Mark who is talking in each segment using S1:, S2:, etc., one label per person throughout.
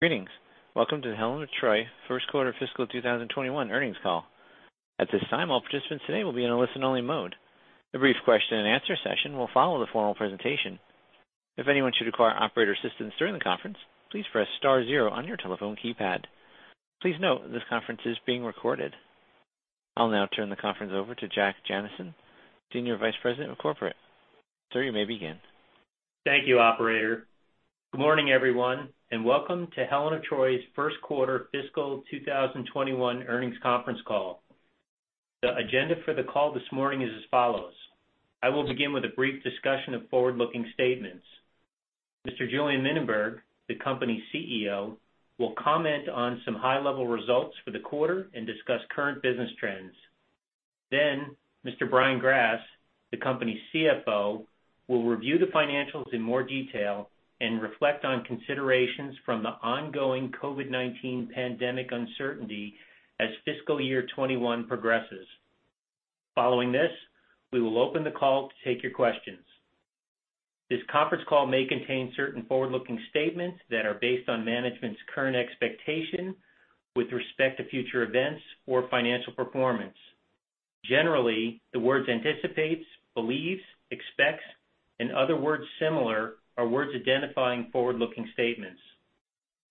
S1: Greetings. Welcome to the Helen of Troy first quarter fiscal 2021 earnings call. At this time, all participants today will be in a listen-only mode. A brief question and answer session will follow the formal presentation. If anyone should require operator assistance during the conference, please press star zero on your telephone keypad. Please note this conference is being recorded. I'll now turn the conference over to Jack Jancin, Senior Vice President of Corporate. Sir, you may begin.
S2: Thank you, operator. Good morning, everyone, and welcome to Helen of Troy's first quarter fiscal 2021 earnings conference call. The agenda for the call this morning is as follows. I will begin with a brief discussion of forward-looking statements. Mr. Julien Mininberg, the company's CEO, will comment on some high-level results for the quarter and discuss current business trends. Mr. Brian Grass, the company's CFO, will review the financials in more detail and reflect on considerations from the ongoing COVID-19 pandemic uncertainty as fiscal year 2021 progresses. Following this, we will open the call to take your questions. This conference call may contain certain forward-looking statements that are based on management's current expectation with respect to future events or financial performance. Generally, the words anticipates, believes, expects, and other words similar are words identifying forward-looking statements.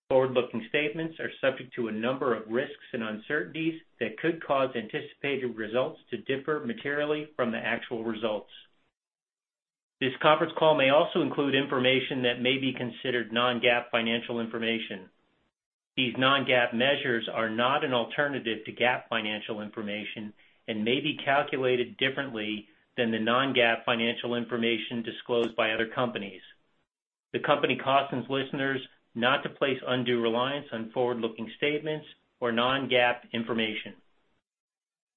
S2: Forward-looking statements are subject to a number of risks and uncertainties that could cause anticipated results to differ materially from the actual results. This conference call may also include information that may be considered non-GAAP financial information. These non-GAAP measures are not an alternative to GAAP financial information and may be calculated differently than the non-GAAP financial information disclosed by other companies. The company cautions listeners not to place undue reliance on forward-looking statements or non-GAAP information.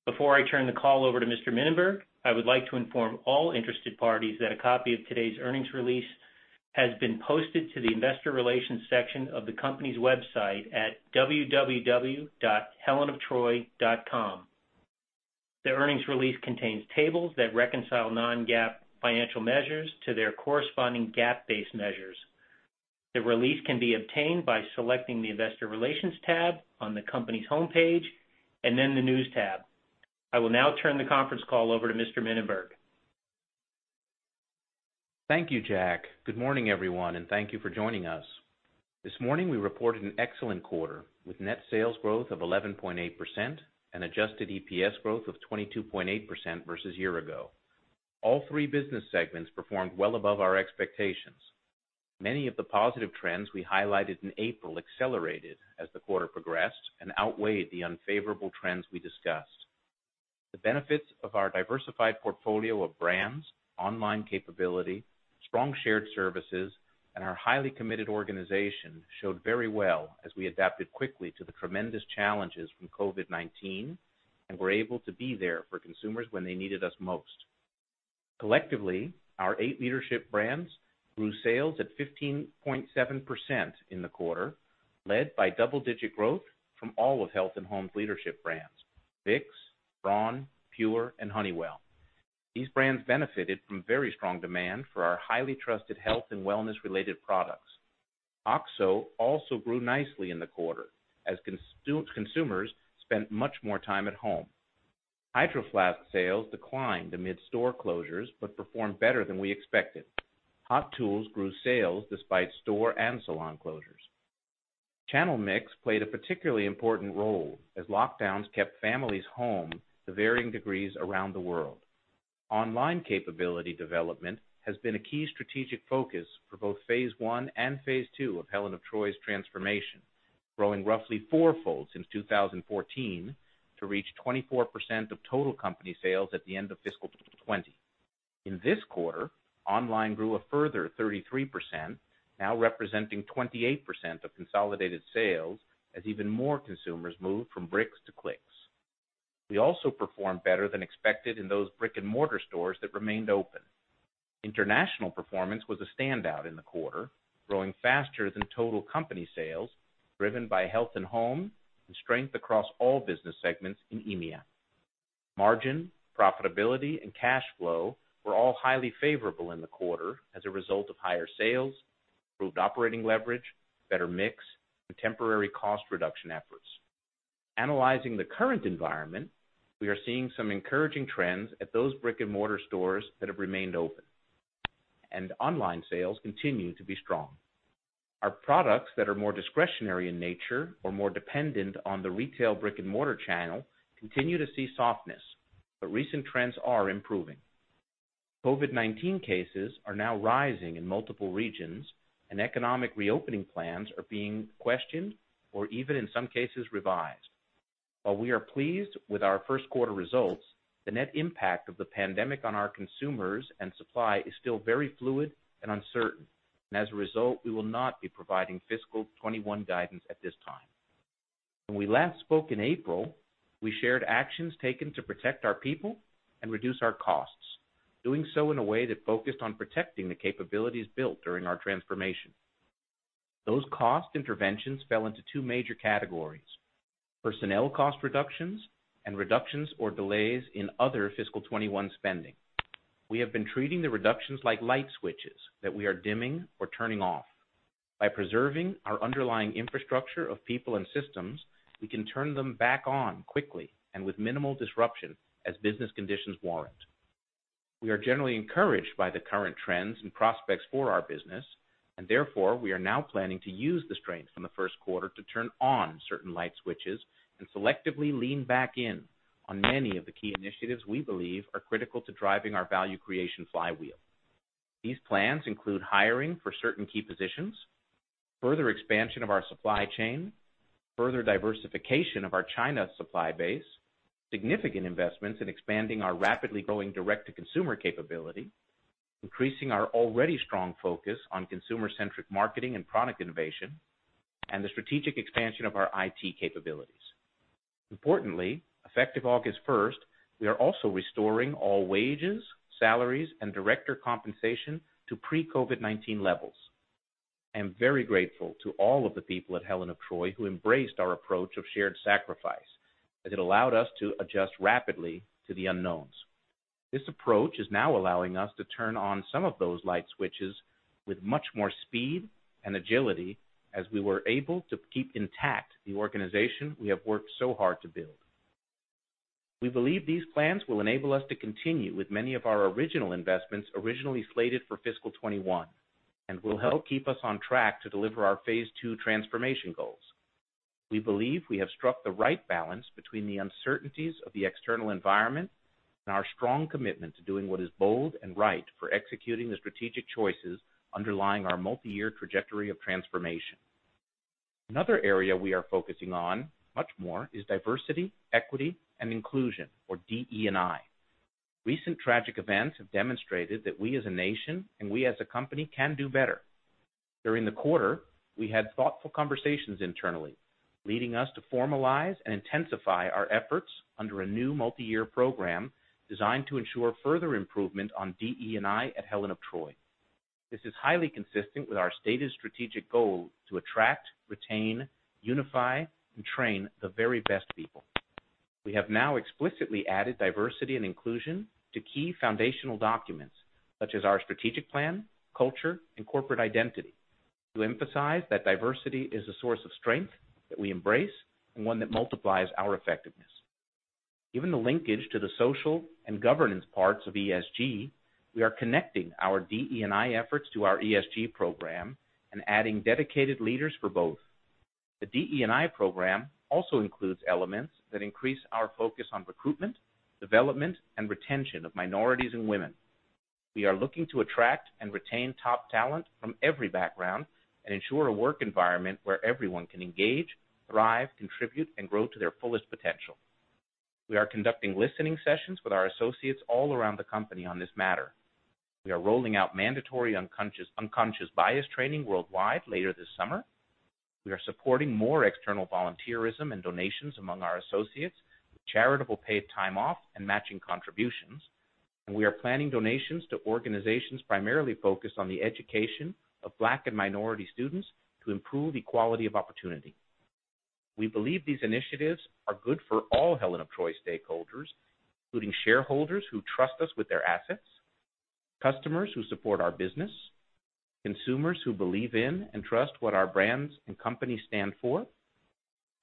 S2: Before I turn the call over to Mr. Mininberg, I would like to inform all interested parties that a copy of today's earnings release has been posted to the investor relations section of the company's website at www.helenoftroy.com. The earnings release contains tables that reconcile non-GAAP financial measures to their corresponding GAAP-based measures. The release can be obtained by selecting the investor relations tab on the company's homepage and then the news tab. I will now turn the conference call over to Mr. Mininberg.
S3: Thank you, Jack. Good morning, everyone, and thank you for joining us. This morning, we reported an excellent quarter with net sales growth of 11.8% and adjusted EPS growth of 22.8% versus year ago. All three business segments performed well above our expectations. Many of the positive trends we highlighted in April accelerated as the quarter progressed and outweighed the unfavorable trends we discussed. The benefits of our diversified portfolio of brands, online capability, strong shared services, and our highly committed organization showed very well as we adapted quickly to the tremendous challenges from COVID-19 and were able to be there for consumers when they needed us most. Collectively, our eight leadership brands grew sales at 15.7% in the quarter, led by double-digit growth from all of Health and Home's leadership brands, Vicks, Braun, PUR, and Honeywell. These brands benefited from very strong demand for our highly trusted health and wellness-related products. OXO also grew nicely in the quarter as consumers spent much more time at home. Hydro Flask sales declined amid store closures but performed better than we expected. Hot Tools grew sales despite store and salon closures. Channel mix played a particularly important role as lockdowns kept families home to varying degrees around the world. Online capability development has been a key strategic focus for both phase one and phase two of Helen of Troy's transformation, growing roughly four-fold since 2014 to reach 24% of total company sales at the end of fiscal 2020. In this quarter, online grew a further 33%, now representing 28% of consolidated sales as even more consumers moved from bricks to clicks. We also performed better than expected in those brick-and-mortar stores that remained open. International performance was a standout in the quarter, growing faster than total company sales, driven by Health and Home and strength across all business segments in EMEA. Margin, profitability, and cash flow were all highly favorable in the quarter as a result of higher sales, improved operating leverage, better mix, and temporary cost reduction efforts. Analyzing the current environment, we are seeing some encouraging trends at those brick-and-mortar stores that have remained open, and online sales continue to be strong. Our products that are more discretionary in nature or more dependent on the retail brick-and-mortar channel continue to see softness, but recent trends are improving. COVID-19 cases are now rising in multiple regions, and economic reopening plans are being questioned or even, in some cases, revised. While we are pleased with our first quarter results, the net impact of the pandemic on our consumers and supply is still very fluid and uncertain. As a result, we will not be providing fiscal 2021 guidance at this time. When we last spoke in April, we shared actions taken to protect our people and reduce our costs, doing so in a way that focused on protecting the capabilities built during our transformation. Those cost interventions fell into two major categories, personnel cost reductions and reductions or delays in other fiscal 2021 spending. We have been treating the reductions like light switches that we are dimming or turning off. By preserving our underlying infrastructure of people and systems, we can turn them back on quickly and with minimal disruption as business conditions warrant. We are generally encouraged by the current trends and prospects for our business, therefore, we are now planning to use the strength from the first quarter to turn on certain light switches and selectively lean back in on many of the key initiatives we believe are critical to driving our value creation flywheel. These plans include hiring for certain key positions, further expansion of our supply chain, further diversification of our China supply base, significant investments in expanding our rapidly growing direct-to-consumer capability, increasing our already strong focus on consumer-centric marketing and product innovation, and the strategic expansion of our IT capabilities. Importantly, effective August 1st, we are also restoring all wages, salaries, and director compensation to pre-COVID-19 levels. I am very grateful to all of the people at Helen of Troy who embraced our approach of shared sacrifice, as it allowed us to adjust rapidly to the unknowns. This approach is now allowing us to turn on some of those light switches with much more speed and agility as we were able to keep intact the organization we have worked so hard to build. We believe these plans will enable us to continue with many of our original investments originally slated for fiscal 2021, and will help keep us on track to deliver our phase two transformation goals. We believe we have struck the right balance between the uncertainties of the external environment and our strong commitment to doing what is bold and right for executing the strategic choices underlying our multi-year trajectory of transformation. Another area we are focusing on much more is diversity, equity, and inclusion or DE&I. Recent tragic events have demonstrated that we as a nation and we as a company can do better. During the quarter, we had thoughtful conversations internally, leading us to formalize and intensify our efforts under a new multi-year program designed to ensure further improvement on DE&I at Helen of Troy. This is highly consistent with our stated strategic goal to attract, retain, unify, and train the very best people. We have now explicitly added diversity and inclusion to key foundational documents such as our strategic plan, culture, and corporate identity to emphasize that diversity is a source of strength that we embrace and one that multiplies our effectiveness. Given the linkage to the social and governance parts of ESG, we are connecting our DE&I efforts to our ESG program and adding dedicated leaders for both. The DE&I program also includes elements that increase our focus on recruitment, development, and retention of minorities and women. We are looking to attract and retain top talent from every background and ensure a work environment where everyone can engage, thrive, contribute, and grow to their fullest potential. We are conducting listening sessions with our associates all around the company on this matter. We are rolling out mandatory unconscious bias training worldwide later this summer. We are supporting more external volunteerism and donations among our associates with charitable paid time off and matching contributions. We are planning donations to organizations primarily focused on the education of Black and minority students to improve equality of opportunity. We believe these initiatives are good for all Helen of Troy stakeholders, including shareholders who trust us with their assets, customers who support our business, consumers who believe in and trust what our brands and companies stand for,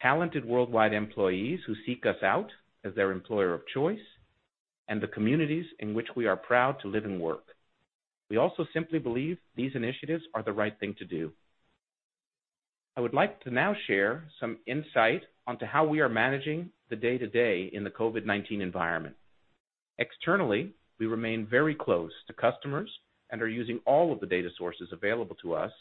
S3: talented worldwide employees who seek us out as their employer of choice, and the communities in which we are proud to live and work. We also simply believe these initiatives are the right thing to do. I would like to now share some insight onto how we are managing the day-to-day in the COVID-19 environment. Externally, we remain very close to customers and are using all of the data sources available to us,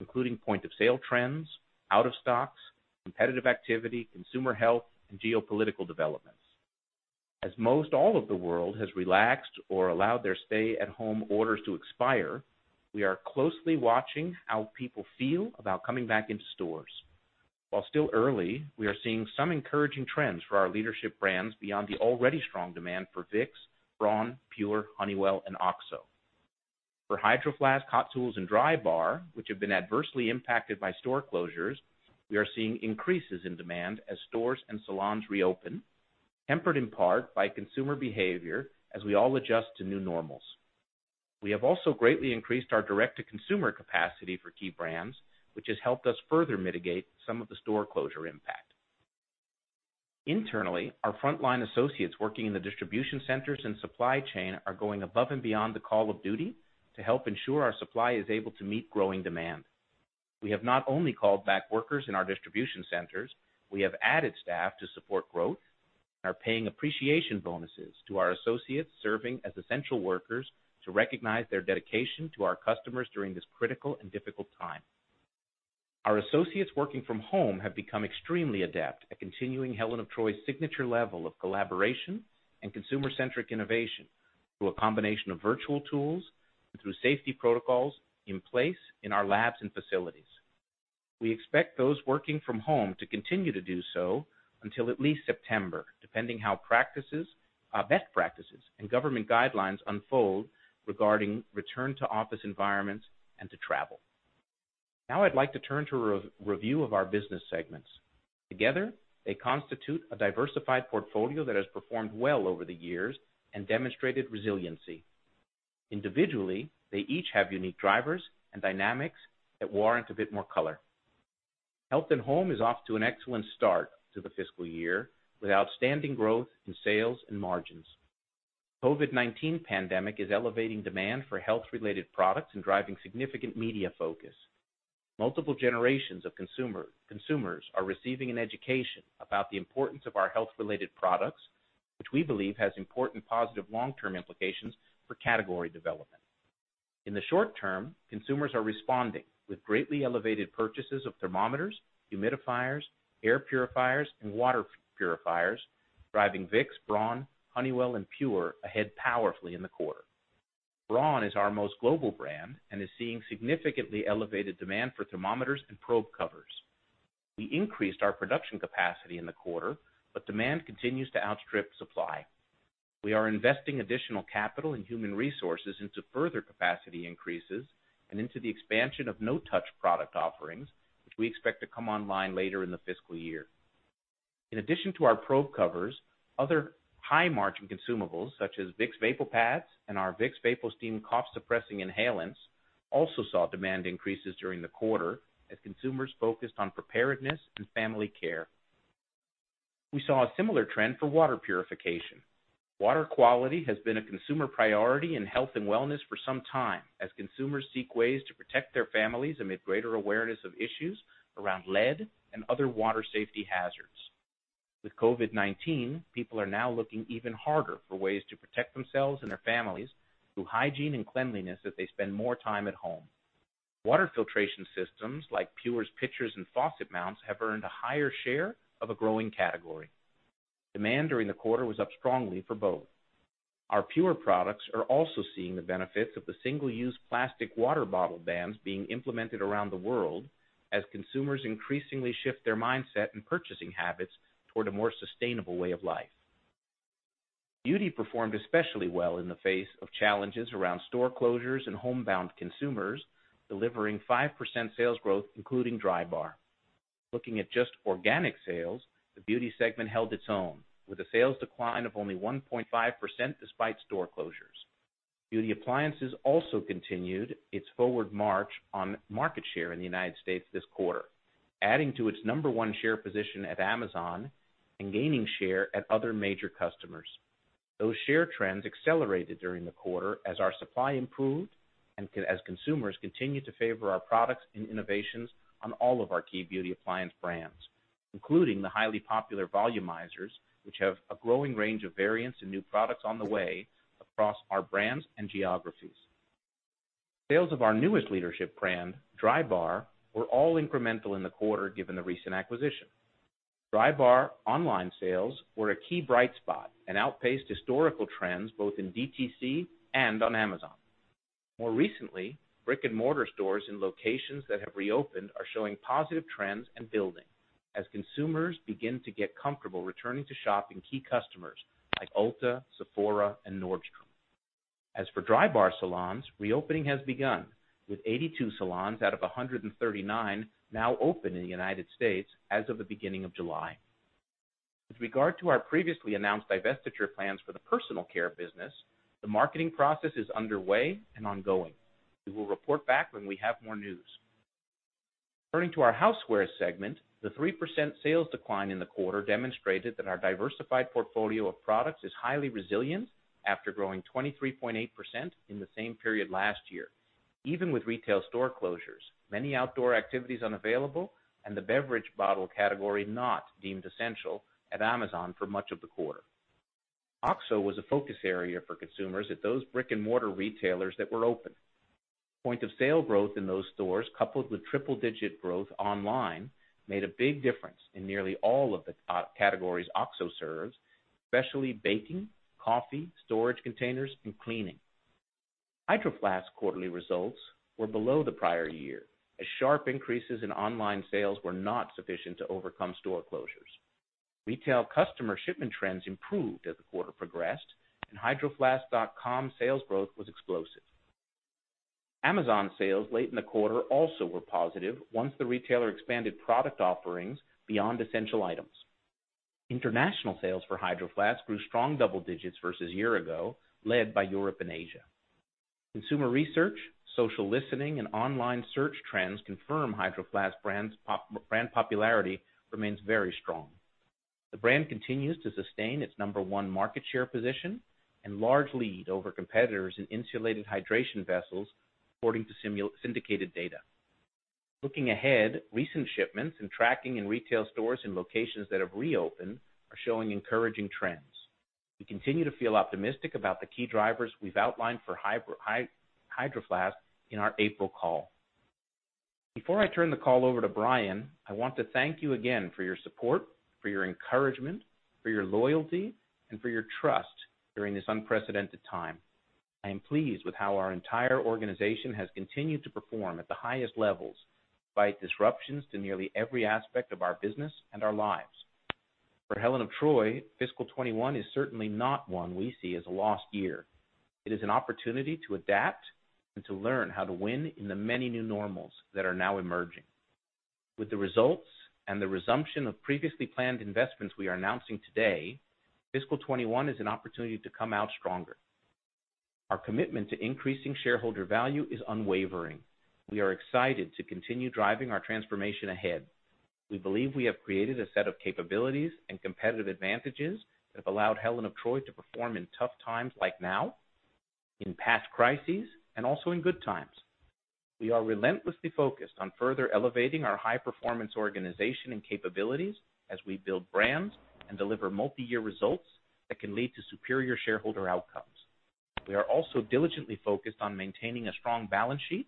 S3: including point-of-sale trends, out of stocks, competitive activity, consumer health, and geopolitical developments. As most all of the world has relaxed or allowed their stay-at-home orders to expire, we are closely watching how people feel about coming back into stores. While still early, we are seeing some encouraging trends for our leadership brands beyond the already strong demand for Vicks, Braun, PUR, Honeywell, and OXO. For Hydro Flask, Hot Tools, and Drybar, which have been adversely impacted by store closures, we are seeing increases in demand as stores and salons reopen, tempered in part by consumer behavior as we all adjust to new normals. We have also greatly increased our direct-to-consumer capacity for key brands, which has helped us further mitigate some of the store closure impact. Internally, our frontline associates working in the distribution centers and supply chain are going above and beyond the call of duty to help ensure our supply is able to meet growing demand. We have not only called back workers in our distribution centers, we have added staff to support growth and are paying appreciation bonuses to our associates serving as essential workers to recognize their dedication to our customers during this critical and difficult time. Our associates working from home have become extremely adept at continuing Helen of Troy's signature level of collaboration and consumer-centric innovation through a combination of virtual tools and through safety protocols in place in our labs and facilities. We expect those working from home to continue to do so until at least September, depending how best practices and government guidelines unfold regarding return to office environments and to travel. I'd like to turn to a review of our business segments. Together, they constitute a diversified portfolio that has performed well over the years and demonstrated resiliency. Individually, they each have unique drivers and dynamics that warrant a bit more color. Health and Home is off to an excellent start to the fiscal year, with outstanding growth in sales and margins. COVID-19 pandemic is elevating demand for health-related products and driving significant media focus. Multiple generations of consumers are receiving an education about the importance of our health-related products, which we believe has important positive long-term implications for category development. In the short term, consumers are responding with greatly elevated purchases of thermometers, humidifiers, air purifiers, and water purifiers, driving Vicks, Braun, Honeywell, and PUR ahead powerfully in the quarter. Braun is our most global brand and is seeing significantly elevated demand for thermometers and probe covers. We increased our production capacity in the quarter, but demand continues to outstrip supply. We are investing additional capital and human resources into further capacity increases and into the expansion of no-touch product offerings, which we expect to come online later in the fiscal year. In addition to our probe covers, other high-margin consumables such as Vicks VapoPads and our Vicks VapoSteam cough suppressing inhalants also saw demand increases during the quarter as consumers focused on preparedness and family care. We saw a similar trend for water purification. Water quality has been a consumer priority in health and wellness for some time, as consumers seek ways to protect their families amid greater awareness of issues around lead and other water safety hazards. With COVID-19, people are now looking even harder for ways to protect themselves and their families through hygiene and cleanliness as they spend more time at home. Water filtration systems like PUR's pitchers and faucet mounts have earned a higher share of a growing category. Demand during the quarter was up strongly for both. Our PUR products are also seeing the benefits of the single-use plastic water bottle bans being implemented around the world, as consumers increasingly shift their mindset and purchasing habits toward a more sustainable way of life. Beauty performed especially well in the face of challenges around store closures and homebound consumers, delivering 5% sales growth, including Drybar. Looking at just organic sales, the beauty segment held its own, with a sales decline of only 1.5% despite store closures. Beauty appliances also continued its forward march on market share in the U.S. this quarter, adding to its number 1 share position at Amazon and gaining share at other major customers. Those share trends accelerated during the quarter as our supply improved and as consumers continued to favor our products and innovations on all of our key beauty appliance brands, including the highly popular volumizers, which have a growing range of variants and new products on the way across our brands and geographies. Sales of our newest leadership brand, Drybar, were all incremental in the quarter given the recent acquisition. Drybar online sales were a key bright spot and outpaced historical trends both in DTC and on Amazon. More recently, brick-and-mortar stores in locations that have reopened are showing positive trends and building as consumers begin to get comfortable returning to shop in key customers like Ulta, Sephora, and Nordstrom. As for Drybar salons, reopening has begun, with 82 salons out of 139 now open in the U.S. as of the beginning of July. With regard to our previously announced divestiture plans for the Personal Care business, the marketing process is underway and ongoing. We will report back when we have more news. Turning to our Housewares segment, the 3% sales decline in the quarter demonstrated that our diversified portfolio of products is highly resilient after growing 23.8% in the same period last year, even with retail store closures, many outdoor activities unavailable, and the beverage bottle category not deemed essential at Amazon for much of the quarter. OXO was a focus area for consumers at those brick-and-mortar retailers that were open. Point-of-sale growth in those stores, coupled with triple-digit growth online, made a big difference in nearly all of the categories OXO serves, especially baking, coffee, storage containers, and cleaning. Hydro Flask quarterly results were below the prior year, as sharp increases in online sales were not sufficient to overcome store closures. Retail customer shipment trends improved as the quarter progressed, and hydroflask.com sales growth was explosive. Amazon sales late in the quarter also were positive once the retailer expanded product offerings beyond essential items. International sales for Hydro Flask grew strong double digits versus year ago, led by Europe and Asia. Consumer research, social listening, and online search trends confirm Hydro Flask brand popularity remains very strong. The brand continues to sustain its number one market share position and large lead over competitors in insulated hydration vessels, according to syndicated data. Looking ahead, recent shipments and tracking in retail stores in locations that have reopened are showing encouraging trends. We continue to feel optimistic about the key drivers we've outlined for Hydro Flask in our April call. Before I turn the call over to Brian, I want to thank you again for your support, for your encouragement, for your loyalty, and for your trust during this unprecedented time. I am pleased with how our entire organization has continued to perform at the highest levels despite disruptions to nearly every aspect of our business and our lives. For Helen of Troy, fiscal 2021 is certainly not one we see as a lost year. It is an opportunity to adapt and to learn how to win in the many new normals that are now emerging. With the results and the resumption of previously planned investments we are announcing today, fiscal 2021 is an opportunity to come out stronger. Our commitment to increasing shareholder value is unwavering. We are excited to continue driving our transformation ahead. We believe we have created a set of capabilities and competitive advantages that have allowed Helen of Troy to perform in tough times like now, in past crises, and also in good times. We are relentlessly focused on further elevating our high-performance organization and capabilities as we build brands and deliver multi-year results that can lead to superior shareholder outcomes. We are also diligently focused on maintaining a strong balance sheet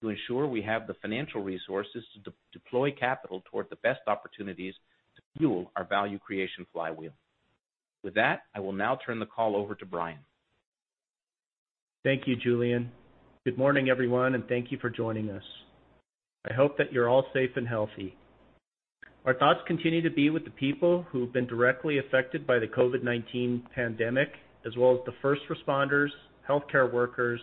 S3: to ensure we have the financial resources to deploy capital toward the best opportunities to fuel our value creation flywheel. With that, I will now turn the call over to Brian.
S4: Thank you, Julien. Good morning, everyone. Thank you for joining us. I hope that you're all safe and healthy. Our thoughts continue to be with the people who've been directly affected by the COVID-19 pandemic, as well as the first responders, healthcare workers,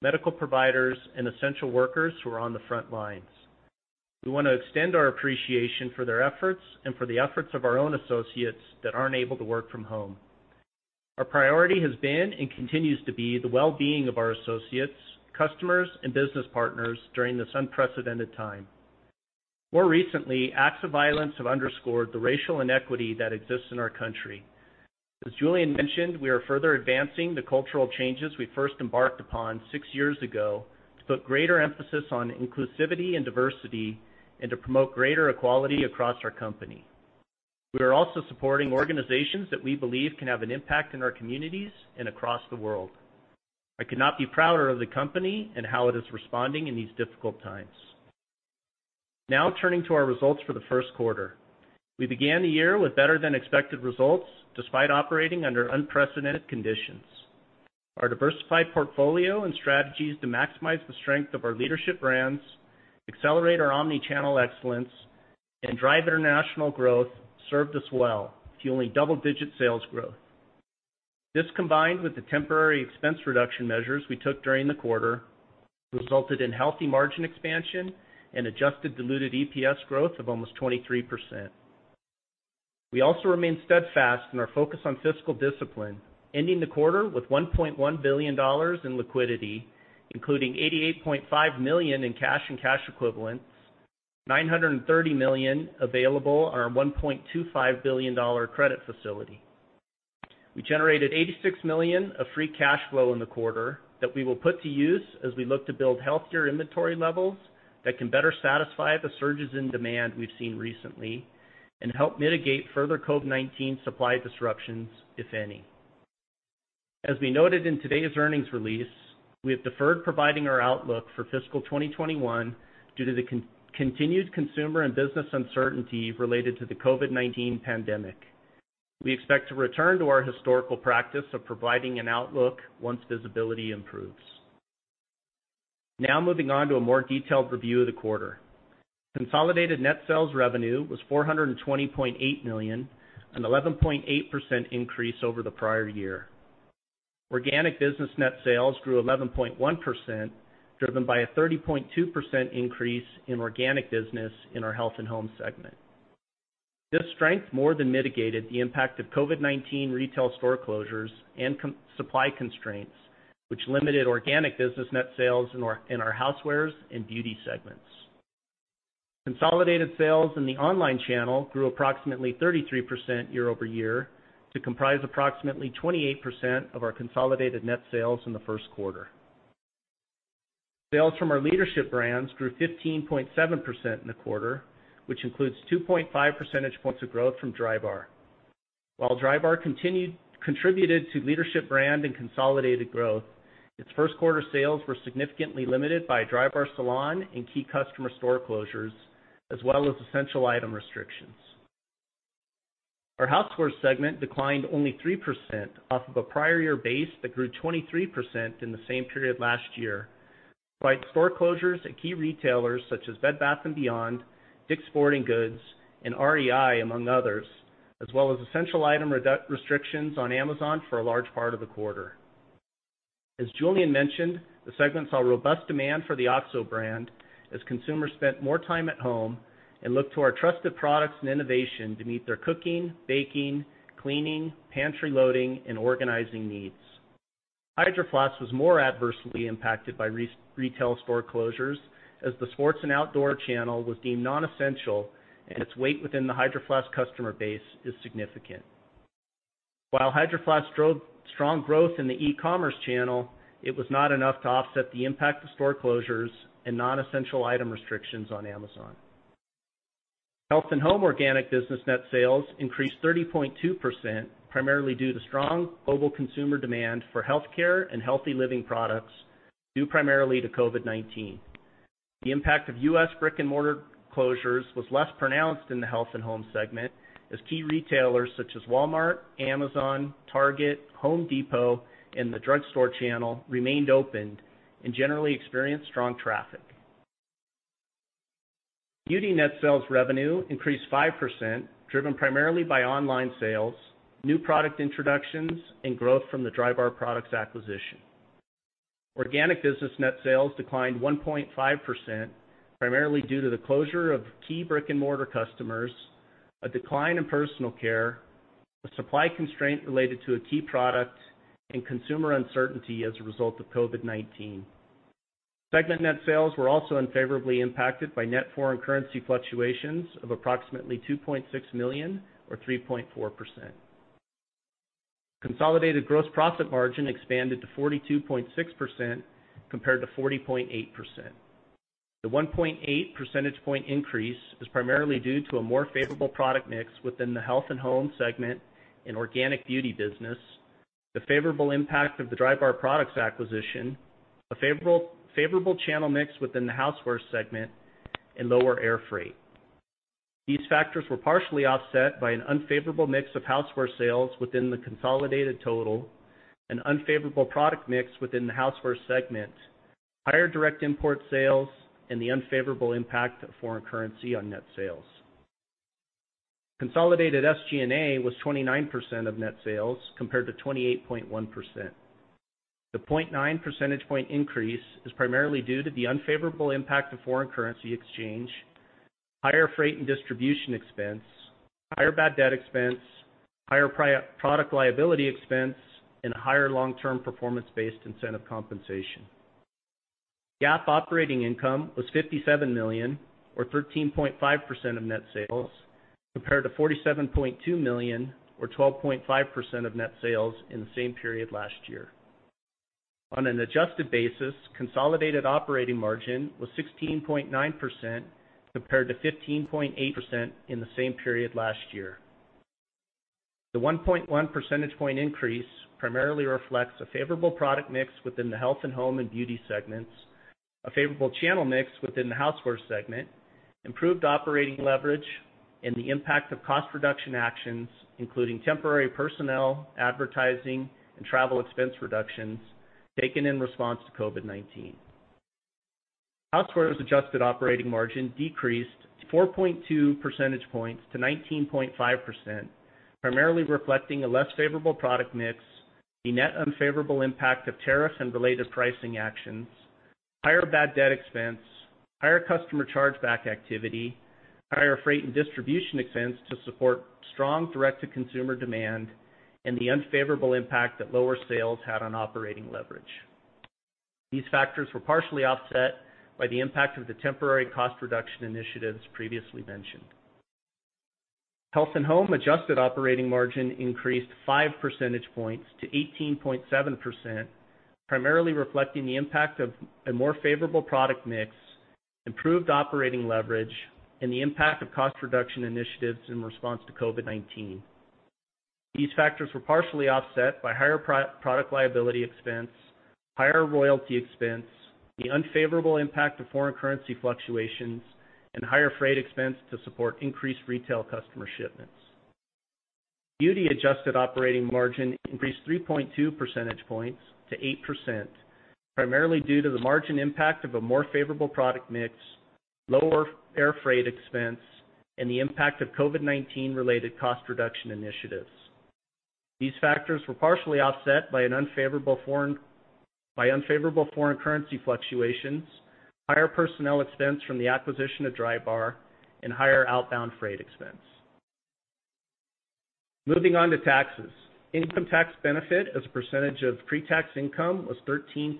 S4: medical providers, and essential workers who are on the front lines. We want to extend our appreciation for their efforts and for the efforts of our own associates that aren't able to work from home. Our priority has been and continues to be the well-being of our associates, customers, and business partners during this unprecedented time. More recently, acts of violence have underscored the racial inequity that exists in our country. As Julien mentioned, we are further advancing the cultural changes we first embarked upon six years ago to put greater emphasis on inclusivity and diversity and to promote greater equality across our company. We are also supporting organizations that we believe can have an impact in our communities and across the world. I could not be prouder of the company and how it is responding in these difficult times. Now, turning to our results for the first quarter. We began the year with better-than-expected results, despite operating under unprecedented conditions. Our diversified portfolio and strategies to maximize the strength of our leadership brands, accelerate our omni-channel excellence, and drive international growth served us well, fueling double-digit sales growth. This, combined with the temporary expense reduction measures we took during the quarter, resulted in healthy margin expansion and adjusted diluted EPS growth of almost 23%. We also remain steadfast in our focus on fiscal discipline, ending the quarter with $1.1 billion in liquidity, including $88.5 million in cash and cash equivalents, $930 million available on our $1.25 billion credit facility. We generated $86 million of free cash flow in the quarter that we will put to use as we look to build healthier inventory levels that can better satisfy the surges in demand we've seen recently and help mitigate further COVID-19 supply disruptions, if any. As we noted in today's earnings release, we have deferred providing our outlook for fiscal 2021 due to the continued consumer and business uncertainty related to the COVID-19 pandemic. We expect to return to our historical practice of providing an outlook once visibility improves. Now, moving on to a more detailed review of the quarter. Consolidated net sales revenue was $420.8 million, an 11.8% increase over the prior year. Organic business net sales grew 11.1%, driven by a 30.2% increase in organic business in our Health and Home segment. This strength more than mitigated the impact of COVID-19 retail store closures and supply constraints, which limited organic business net sales in our housewares and beauty segments. Consolidated sales in the online channel grew approximately 33% year-over-year to comprise approximately 28% of our consolidated net sales in the first quarter. Sales from our leadership brands grew 15.7% in the quarter, which includes 2.5 percentage points of growth from Drybar. While Drybar contributed to leadership brand and consolidated growth, its first quarter sales were significantly limited by Drybar salon and key customer store closures, as well as essential item restrictions. Our housewares segment declined only 3% off of a prior year base that grew 23% in the same period last year, despite store closures at key retailers such as Bed Bath & Beyond, Dick's Sporting Goods, and REI, among others, as well as essential item restrictions on Amazon for a large part of the quarter. As Julien mentioned, the segment saw robust demand for the OXO brand as consumers spent more time at home and looked to our trusted products and innovation to meet their cooking, baking, cleaning, pantry loading, and organizing needs. Hydro Flask was more adversely impacted by retail store closures as the sports and outdoor channel was deemed non-essential and its weight within the Hydro Flask customer base is significant. While Hydro Flask showed strong growth in the e-commerce channel, it was not enough to offset the impact of store closures and non-essential item restrictions on Amazon. Health and Home organic business net sales increased 30.2%, primarily due to strong global consumer demand for healthcare and healthy living products, due primarily to COVID-19. The impact of U.S. brick-and-mortar closures was less pronounced in the Health and Home segment as key retailers such as Walmart, Amazon, Target, The Home Depot, and the drugstore channel remained open and generally experienced strong traffic. Beauty net sales revenue increased 5%, driven primarily by online sales, new product introductions, and growth from the Drybar Products acquisition. Organic business net sales declined 1.5%, primarily due to the closure of key brick-and-mortar customers, a decline in personal care, a supply constraint related to a key product, and consumer uncertainty as a result of COVID-19. Segment net sales were also unfavorably impacted by net foreign currency fluctuations of approximately $2.6 million or 3.4%. Consolidated gross profit margin expanded to 42.6% compared to 40.8%. The 1.8 percentage point increase is primarily due to a more favorable product mix within the Health and Home segment and organic beauty business, the favorable impact of the Drybar Products acquisition, a favorable channel mix within the Housewares segment, and lower air freight. These factors were partially offset by an unfavorable mix of Housewares sales within the consolidated total, an unfavorable product mix within the Housewares segment, higher direct import sales, and the unfavorable impact of foreign currency on net sales. Consolidated SG&A was 29% of net sales, compared to 28.1%. The 0.9 percentage point increase is primarily due to the unfavorable impact of foreign currency exchange, higher freight and distribution expense, higher bad debt expense, higher product liability expense, and higher long-term performance-based incentive compensation. GAAP operating income was $57 million, or 13.5% of net sales, compared to $47.2 million, or 12.5% of net sales in the same period last year. On an adjusted basis, consolidated operating margin was 16.9% compared to 15.8% in the same period last year. The 1.1 percentage point increase primarily reflects a favorable product mix within the health and home and beauty segments, a favorable channel mix within the housewares segment, improved operating leverage, and the impact of cost reduction actions, including temporary personnel, advertising, and travel expense reductions taken in response to COVID-19. Housewares adjusted operating margin decreased 4.2 percentage points to 19.5%, primarily reflecting a less favorable product mix, a net unfavorable impact of tariff and related pricing actions, higher bad debt expense, higher customer chargeback activity, higher freight and distribution expense to support strong direct-to-consumer demand, and the unfavorable impact that lower sales had on operating leverage. These factors were partially offset by the impact of the temporary cost reduction initiatives previously mentioned. Health and Home adjusted operating margin increased five percentage points to 18.7%, primarily reflecting the impact of a more favorable product mix, improved operating leverage, and the impact of cost reduction initiatives in response to COVID-19. These factors were partially offset by higher product liability expense, higher royalty expense, the unfavorable impact of foreign currency fluctuations, and higher freight expense to support increased retail customer shipments. Beauty adjusted operating margin increased 3.2 percentage points to 8%, primarily due to the margin impact of a more favorable product mix, lower air freight expense, and the impact of COVID-19-related cost reduction initiatives. These factors were partially offset by unfavorable foreign currency fluctuations, higher personnel expense from the acquisition of Drybar, and higher outbound freight expense. Moving on to taxes. Income tax benefit as a percentage of pre-tax income was 13%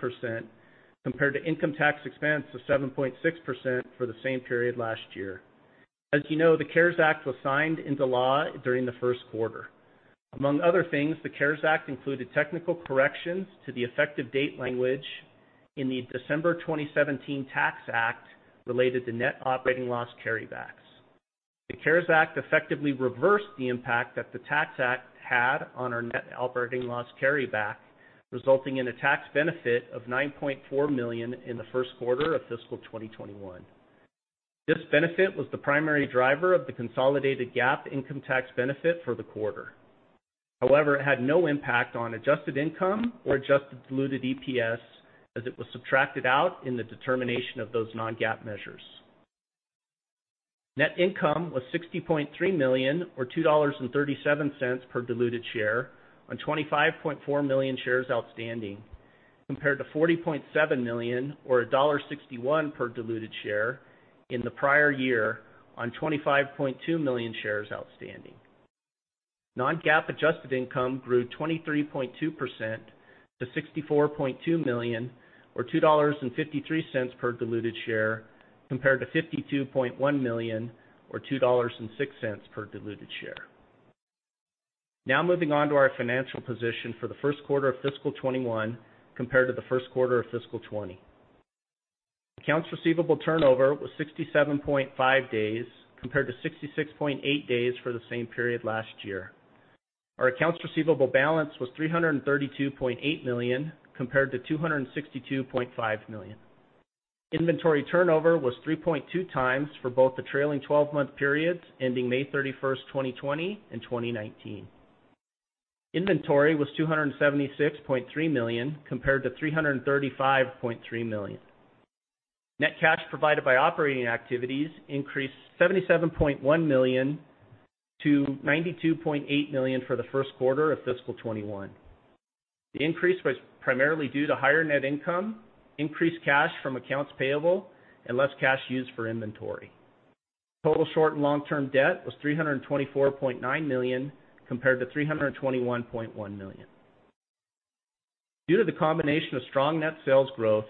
S4: compared to income tax expense of 7.6% for the same period last year. As you know, the CARES Act was signed into law during the first quarter. Among other things, the CARES Act included technical corrections to the effective date language in the December 2017 Tax Act related to net operating loss carrybacks. The CARES Act effectively reversed the impact that the Tax Act had on our net operating loss carryback, resulting in a tax benefit of $9.4 million in the first quarter of fiscal 2021. This benefit was the primary driver of the consolidated GAAP income tax benefit for the quarter. However, it had no impact on adjusted income or adjusted diluted EPS, as it was subtracted out in the determination of those non-GAAP measures. Net income was $60.3 million, or $2.37 per diluted share on 25.4 million shares outstanding, compared to $40.7 million or $1.61 per diluted share in the prior year on 25.2 million shares outstanding. Non-GAAP adjusted income grew 23.2% to $64.2 million, or $2.53 per diluted share, compared to $52.1 million or $2.06 per diluted share. Moving on to our financial position for the first quarter of fiscal 2021 compared to the first quarter of fiscal 2020. Accounts receivable turnover was 67.5 days, compared to 66.8 days for the same period last year. Our accounts receivable balance was $332.8 million, compared to $262.5 million. Inventory turnover was 3.2 times for both the trailing 12-month periods ending May 31, 2020 and 2019. Inventory was $276.3 million compared to $335.3 million. Net cash provided by operating activities increased $77.1 million to $92.8 million for the first quarter of fiscal 2021. The increase was primarily due to higher net income, increased cash from accounts payable, and less cash used for inventory. Total short and long-term debt was $324.9 million compared to $321.1 million. Due to the combination of strong net sales growth,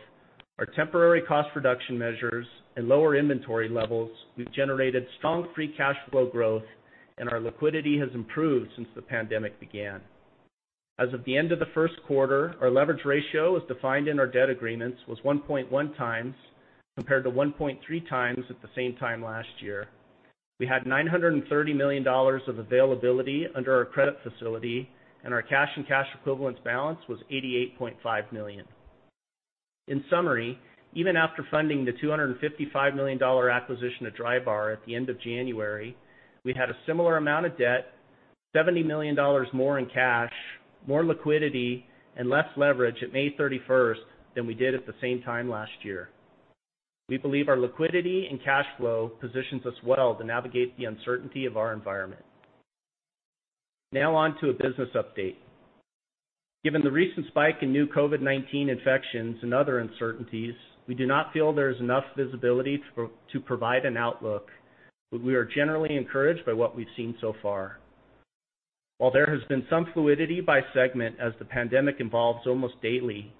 S4: our temporary cost reduction measures, and lower inventory levels, we've generated strong free cash flow growth, and our liquidity has improved since the pandemic began. As of the end of the first quarter, our leverage ratio, as defined in our debt agreements, was 1.1 times, compared to 1.3 times at the same time last year. We had $930 million of availability under our credit facility, and our cash and cash equivalents balance was $88.5 million. In summary, even after funding the $255 million acquisition of Drybar at the end of January, we had a similar amount of debt, $70 million more in cash, more liquidity, and less leverage at May 31st than we did at the same time last year. We believe our liquidity and cash flow positions us well to navigate the uncertainty of our environment. Now on to a business update. Given the recent spike in new COVID-19 infections and other uncertainties, we do not feel there is enough visibility to provide an outlook, but we are generally encouraged by what we've seen so far. While there has been some fluidity by segment as the pandemic evolves almost daily,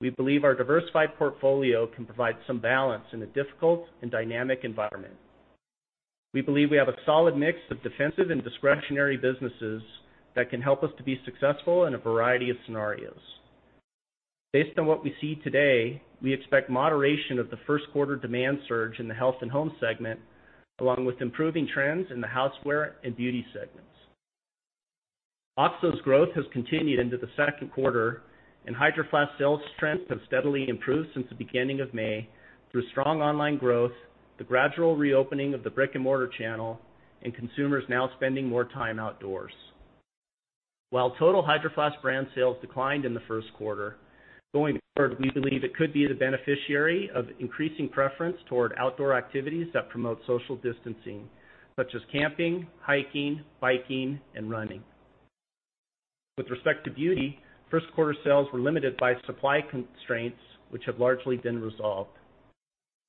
S4: we believe our diversified portfolio can provide some balance in a difficult and dynamic environment. We believe we have a solid mix of defensive and discretionary businesses that can help us to be successful in a variety of scenarios. Based on what we see today, we expect moderation of the first quarter demand surge in the Health and Home segment, along with improving trends in the Houseware and Beauty segments. OXO's growth has continued into the second quarter, and Hydro Flask sales trends have steadily improved since the beginning of May through strong online growth, the gradual reopening of the brick-and-mortar channel, and consumers now spending more time outdoors. While total Hydro Flask brand sales declined in the first quarter, going forward, we believe it could be the beneficiary of increasing preference toward outdoor activities that promote social distancing, such as camping, hiking, biking, and running. With respect to Beauty, first quarter sales were limited by supply constraints, which have largely been resolved.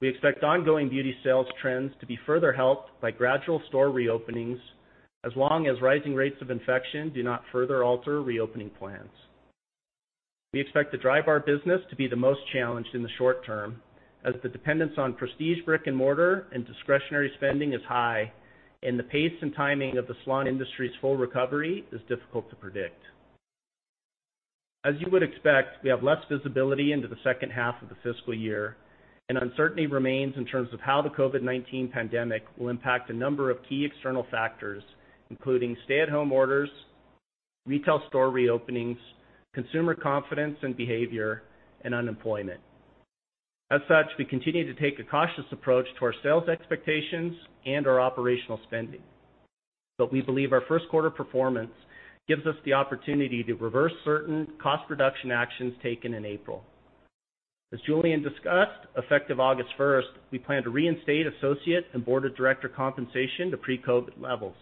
S4: We expect ongoing beauty sales trends to be further helped by gradual store reopenings as long as rising rates of infection do not further alter reopening plans. We expect the Drybar business to be the most challenged in the short term, as the dependence on prestige brick and mortar and discretionary spending is high, and the pace and timing of the salon industry's full recovery is difficult to predict. As you would expect, we have less visibility into the second half of the fiscal year, and uncertainty remains in terms of how the COVID-19 pandemic will impact a number of key external factors, including stay-at-home orders, retail store reopenings, consumer confidence and behavior, and unemployment. As such, we continue to take a cautious approach to our sales expectations and our operational spending. We believe our first quarter performance gives us the opportunity to reverse certain cost reduction actions taken in April. As Julien discussed, effective August 1st, we plan to reinstate associate and board of director compensation to pre-COVID levels.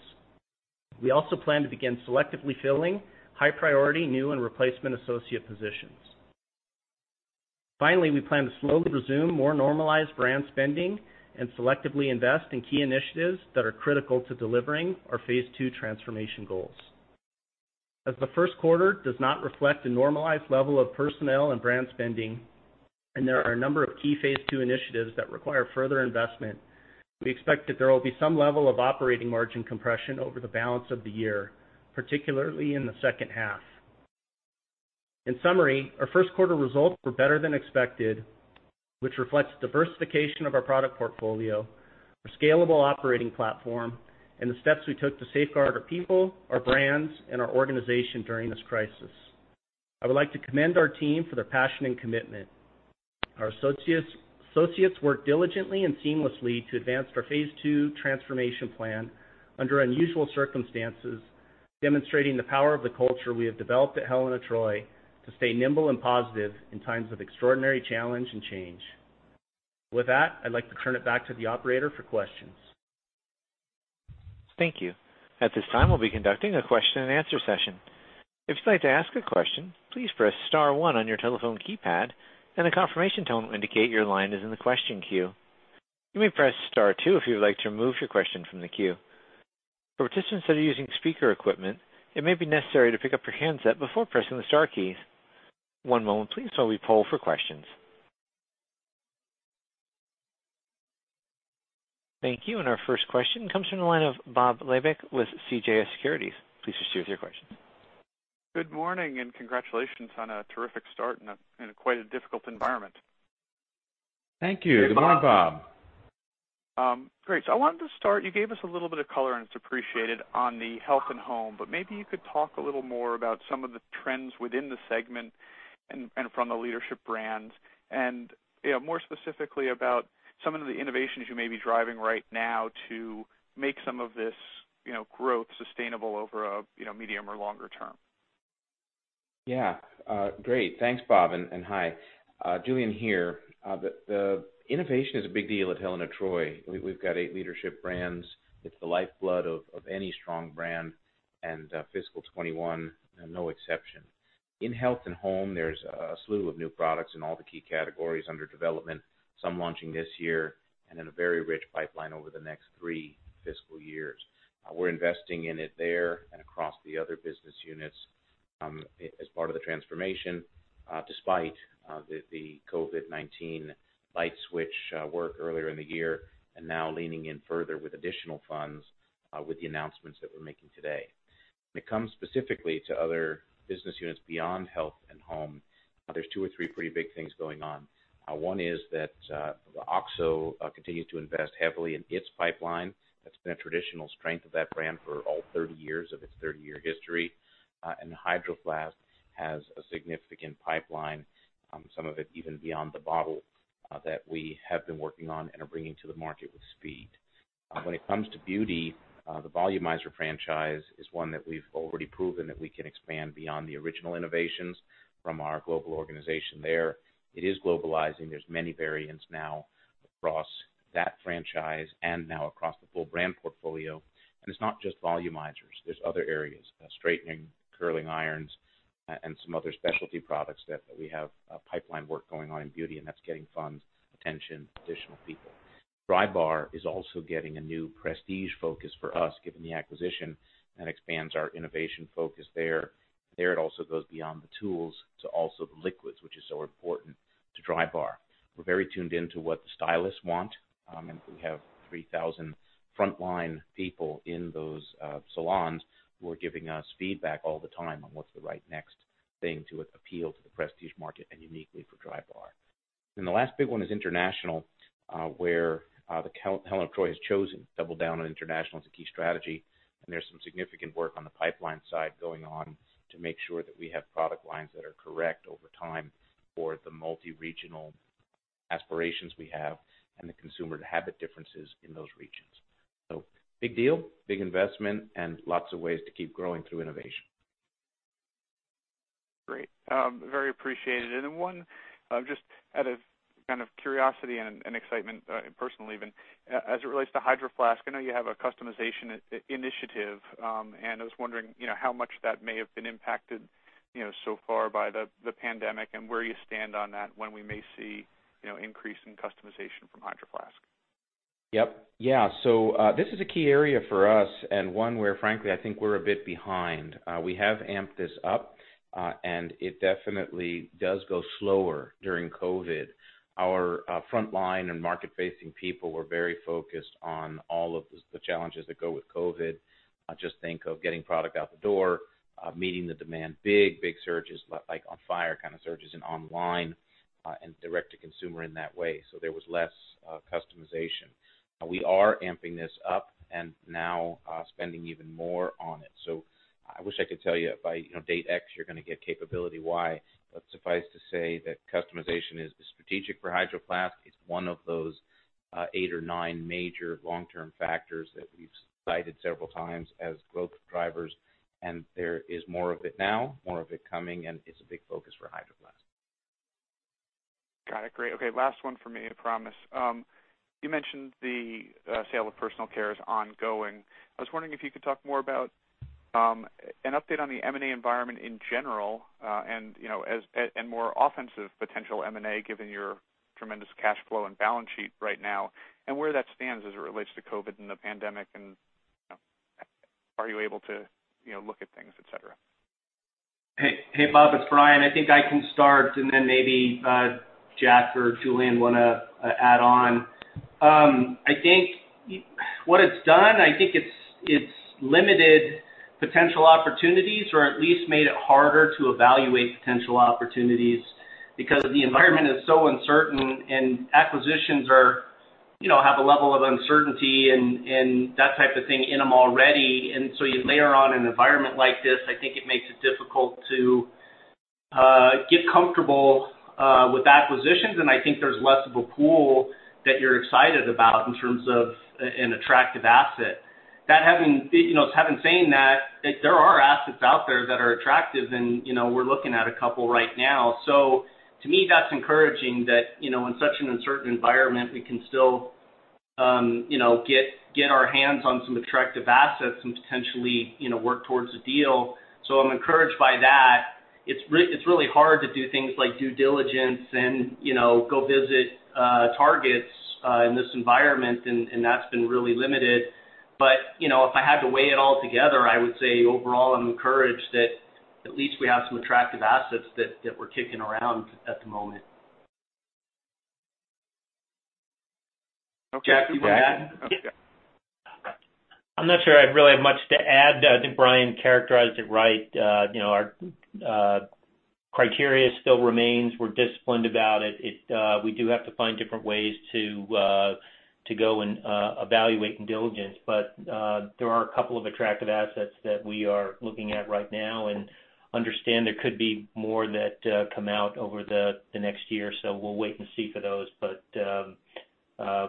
S4: We also plan to begin selectively filling high priority new and replacement associate positions. Finally, we plan to slowly resume more normalized brand spending and selectively invest in key initiatives that are critical to delivering our Phase 2 transformation goals. The first quarter does not reflect a normalized level of personnel and brand spending, and there are a number of key Phase 2 initiatives that require further investment, we expect that there will be some level of operating margin compression over the balance of the year, particularly in the second half. In summary, our first quarter results were better than expected, which reflects diversification of our product portfolio, our scalable operating platform, and the steps we took to safeguard our people, our brands, and our organization during this crisis. I would like to commend our team for their passion and commitment. Our associates worked diligently and seamlessly to advance our Phase Two transformation plan under unusual circumstances, demonstrating the power of the culture we have developed at Helen of Troy to stay nimble and positive in times of extraordinary challenge and change. With that, I'd like to turn it back to the operator for questions.
S1: Thank you. At this time, we'll be conducting a question and answer session. If you'd like to ask a question, please press *1 on your telephone keypad. A confirmation tone will indicate your line is in the question queue. You may press *2 if you would like to remove your question from the queue. For participants that are using speaker equipment, it may be necessary to pick up your handset before pressing the star keys. One moment please while we poll for questions. Thank you. Our first question comes from the line of Bob Labick with CJS Securities. Please proceed with your questions.
S5: Good morning, congratulations on a terrific start in quite a difficult environment.
S3: Thank you. Good morning, Bob.
S5: Great. I wanted to start, you gave us a little bit of color, and it's appreciated, on the Health and Home, but maybe you could talk a little more about some of the trends within the segment. From the leadership brands, and more specifically about some of the innovations you may be driving right now to make some of this growth sustainable over a medium or longer term.
S3: Yeah. Great. Thanks, Bob, and hi. Julien here. The innovation is a big deal at Helen of Troy. We've got eight leadership brands. It's the lifeblood of any strong brand. Fiscal 2021, no exception. In Health and Home, there's a slew of new products in all the key categories under development, some launching this year, and then a very rich pipeline over the next three fiscal years. We're investing in it there and across the other business units as part of the transformation, despite the COVID-19 light switch work earlier in the year, and now leaning in further with additional funds with the announcements that we're making today. When it comes specifically to other business units beyond Health and Home, there's two or three pretty big things going on. One is that OXO continues to invest heavily in its pipeline. That's been a traditional strength of that brand for all 30 years of its 30-year history. Hydro Flask has a significant pipeline, some of it even beyond the bottle, that we have been working on and are bringing to the market with speed. When it comes to beauty, the Volumizer franchise is one that we've already proven that we can expand beyond the original innovations from our global organization there. It is globalizing. There's many variants now across that franchise and now across the full brand portfolio. It's not just Volumizers. There's other areas, straightening, curling irons, and some other specialty products that we have pipeline work going on in beauty, and that's getting funds, attention, additional people. Drybar is also getting a new prestige focus for us, given the acquisition, and expands our innovation focus there. There, it also goes beyond the tools to also the liquids, which is so important to Drybar. We're very tuned into what the stylists want. We have 3,000 frontline people in those salons who are giving us feedback all the time on what's the right next thing to appeal to the prestige market and uniquely for Drybar. The last big one is international, where Helen of Troy has chosen to double down on international as a key strategy, and there's some significant work on the pipeline side going on to make sure that we have product lines that are correct over time for the multi-regional aspirations we have and the consumer habit differences in those regions. Big deal, big investment, and lots of ways to keep growing through innovation.
S5: Great. Very appreciated. One, just out of kind of curiosity and excitement, personally even, as it relates to Hydro Flask, I know you have a customization initiative. I was wondering how much that may have been impacted so far by the pandemic and where you stand on that, when we may see increase in customization from Hydro Flask?
S3: Yep. Yeah. This is a key area for us and one where, frankly, I think we're a bit behind. We have amped this up, and it definitely does go slower during COVID. Our frontline and market-facing people were very focused on all of the challenges that go with COVID. Just think of getting product out the door, meeting the demand, big surges, like on-fire kind of surges in online, and direct to consumer in that way. There was less customization. We are amping this up and now spending even more on it. I wish I could tell you by date X, you're going to get capability Y, but suffice to say that customization is strategic for Hydro Flask. It's one of those eight or nine major long-term factors that we've cited several times as growth drivers, and there is more of it now, more of it coming, and it's a big focus for Hydro Flask.
S5: Got it. Great. Okay, last one for me, I promise. You mentioned the sale of personal care is ongoing. I was wondering if you could talk more about an update on the M&A environment in general, and more offensive potential M&A, given your tremendous cash flow and balance sheet right now, and where that stands as it relates to COVID and the pandemic, and are you able to look at things, et cetera?
S4: Hey, Bob Labick, it's Brian. I think I can start, and then maybe Jack or Julien want to add on. I think what it's done, I think it's limited potential opportunities or at least made it harder to evaluate potential opportunities because the environment is so uncertain, and acquisitions have a level of uncertainty and that type of thing in them already. You layer on an environment like this, I think it makes it difficult to get comfortable with acquisitions, and I think there's less of a pool that you're excited about in terms of an attractive asset. Having saying that, there are assets out there that are attractive, and we're looking at a couple right now. To me, that's encouraging that in such an uncertain environment, we can still get our hands on some attractive assets and potentially work towards a deal. I'm encouraged by that. It's really hard to do things like due diligence and go visit targets in this environment. That's been really limited. If I had to weigh it all together, I would say overall, I'm encouraged that at least we have some attractive assets that we're kicking around at the moment.
S5: Okay.
S4: Jack, do you want to add?
S5: Okay.
S2: I'm not sure I really have much to add. I think Brian characterized it right. Our criteria still remains. We're disciplined about it. We do have to find different ways to go and evaluate and diligence. There are a couple of attractive assets that we are looking at right now, and understand there could be more that come out over the next year. We'll wait and see for those.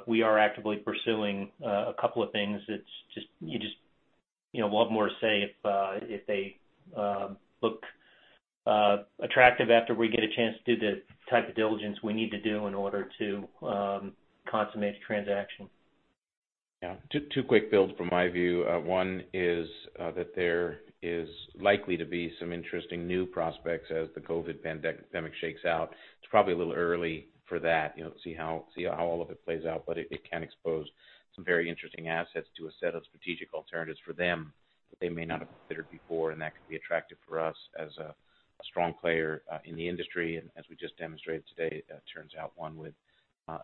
S2: We are actively pursuing a couple of things. You just want more say if they look attractive after we get a chance to do the type of diligence we need to do in order to consummate the transaction.
S3: Yeah. Two quick builds from my view. One is that there is likely to be some interesting new prospects as the COVID-19 pandemic shakes out. It's probably a little early for that, see how all of it plays out, but it can expose some very interesting assets to a set of strategic alternatives for them that they may not have considered before, and that could be attractive for us as a strong player, in the industry. As we just demonstrated today, it turns out one with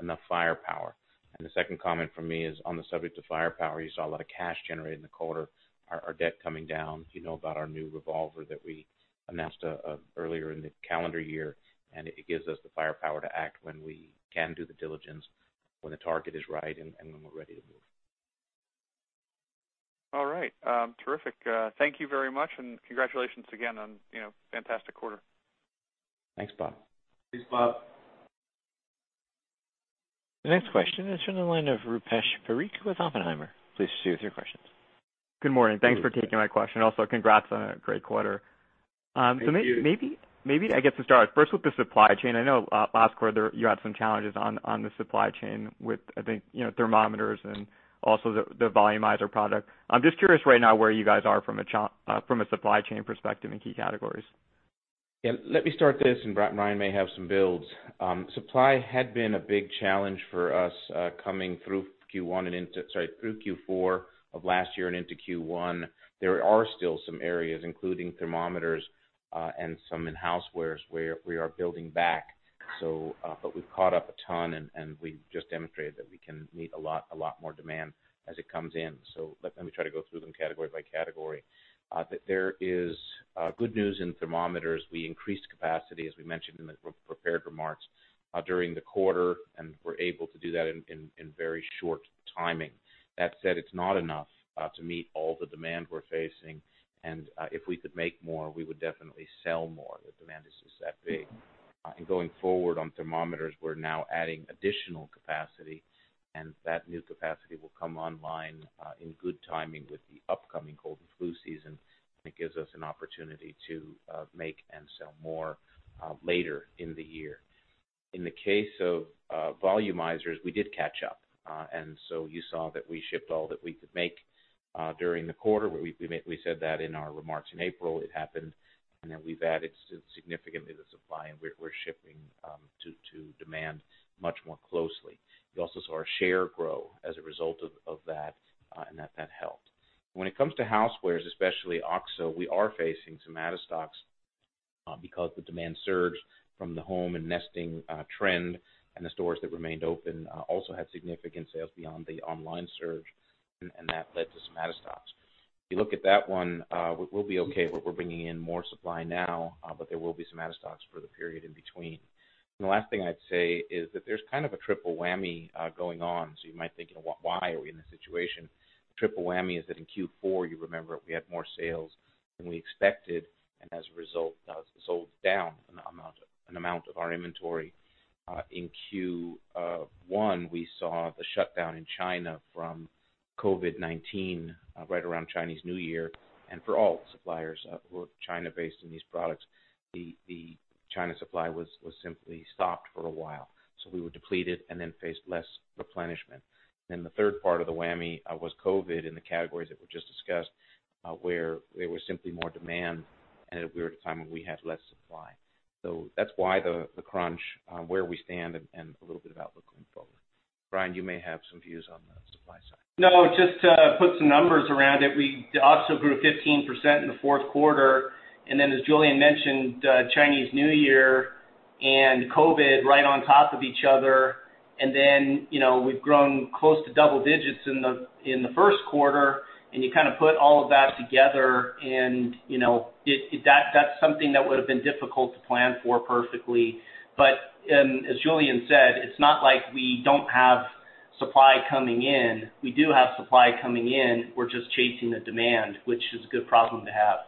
S3: enough firepower. The second comment from me is on the subject of firepower, you saw a lot of cash generated in the quarter, our debt coming down. You know about our new revolver that we announced earlier in the calendar year, it gives us the firepower to act when we can do the diligence, when the target is right, and when we're ready to move.
S5: All right. Terrific. Thank you very much, and congratulations again on fantastic quarter.
S3: Thanks, Bob.
S2: Thanks, Bob.
S1: The next question is from the line of Rupesh Parikh with Oppenheimer. Please proceed with your questions.
S6: Good morning. Thanks for taking my question. Congrats on a great quarter.
S3: Thank you.
S6: Maybe I guess to start first with the supply chain. I know last quarter you had some challenges on the supply chain with, I think, thermometers and also the volumizer product. I'm just curious right now where you guys are from a supply chain perspective in key categories.
S3: Yeah. Let me start this, and Brian may have some builds. Supply had been a big challenge for us coming through Q4 of last year and into Q1. There are still some areas, including thermometers, and some in housewares, where we are building back. We've caught up a ton, and we've just demonstrated that we can meet a lot more demand as it comes in. Let me try to go through them category by category. There is good news in thermometers. We increased capacity, as we mentioned in the prepared remarks, during the quarter, and were able to do that in very short timing. That said, it's not enough to meet all the demand we're facing, and if we could make more, we would definitely sell more. The demand is just that big. Going forward on thermometers, we're now adding additional capacity, and that new capacity will come online in good timing with the upcoming cold and flu season, and it gives us an opportunity to make and sell more later in the year. In the case of volumizers, we did catch up. You saw that we shipped all that we could make during the quarter. We said that in our remarks in April. It happened, and then we've added significantly to supply, and we're shipping to demand much more closely. You also saw our share grow as a result of that, and that helped. When it comes to housewares, especially OXO, we are facing some out of stocks because the demand surged from the home and nesting trend, the stores that remained open also had significant sales beyond the online surge, and that led to some out of stocks. If you look at that one, we'll be okay. We're bringing in more supply now, but there will be some out of stocks for the period in between. The last thing I'd say is that there's kind of a triple whammy going on. You might think, why are we in this situation? The triple whammy is that in Q4, you remember, we had more sales than we expected, and as a result, sold down an amount of our inventory. In Q1, we saw the shutdown in China from COVID-19 right around Chinese New Year. For all suppliers who are China based in these products, the China supply was simply stopped for a while. We were depleted and then faced less replenishment. The third part of the whammy was COVID in the categories that were just discussed, where there was simply more demand and at a weird time when we had less supply. That's why the crunch, where we stand, and a little bit of outlook going forward. Brian, you may have some views on the supply side.
S4: No, just to put some numbers around it. We also grew 15% in the fourth quarter, and then as Julien mentioned, Chinese New Year and COVID-19 right on top of each other. Then, we've grown close to double digits in the first quarter, and you kind of put all of that together and that's something that would've been difficult to plan for perfectly. As Julien said, it's not like we don't have supply coming in. We do have supply coming in. We're just chasing the demand, which is a good problem to have.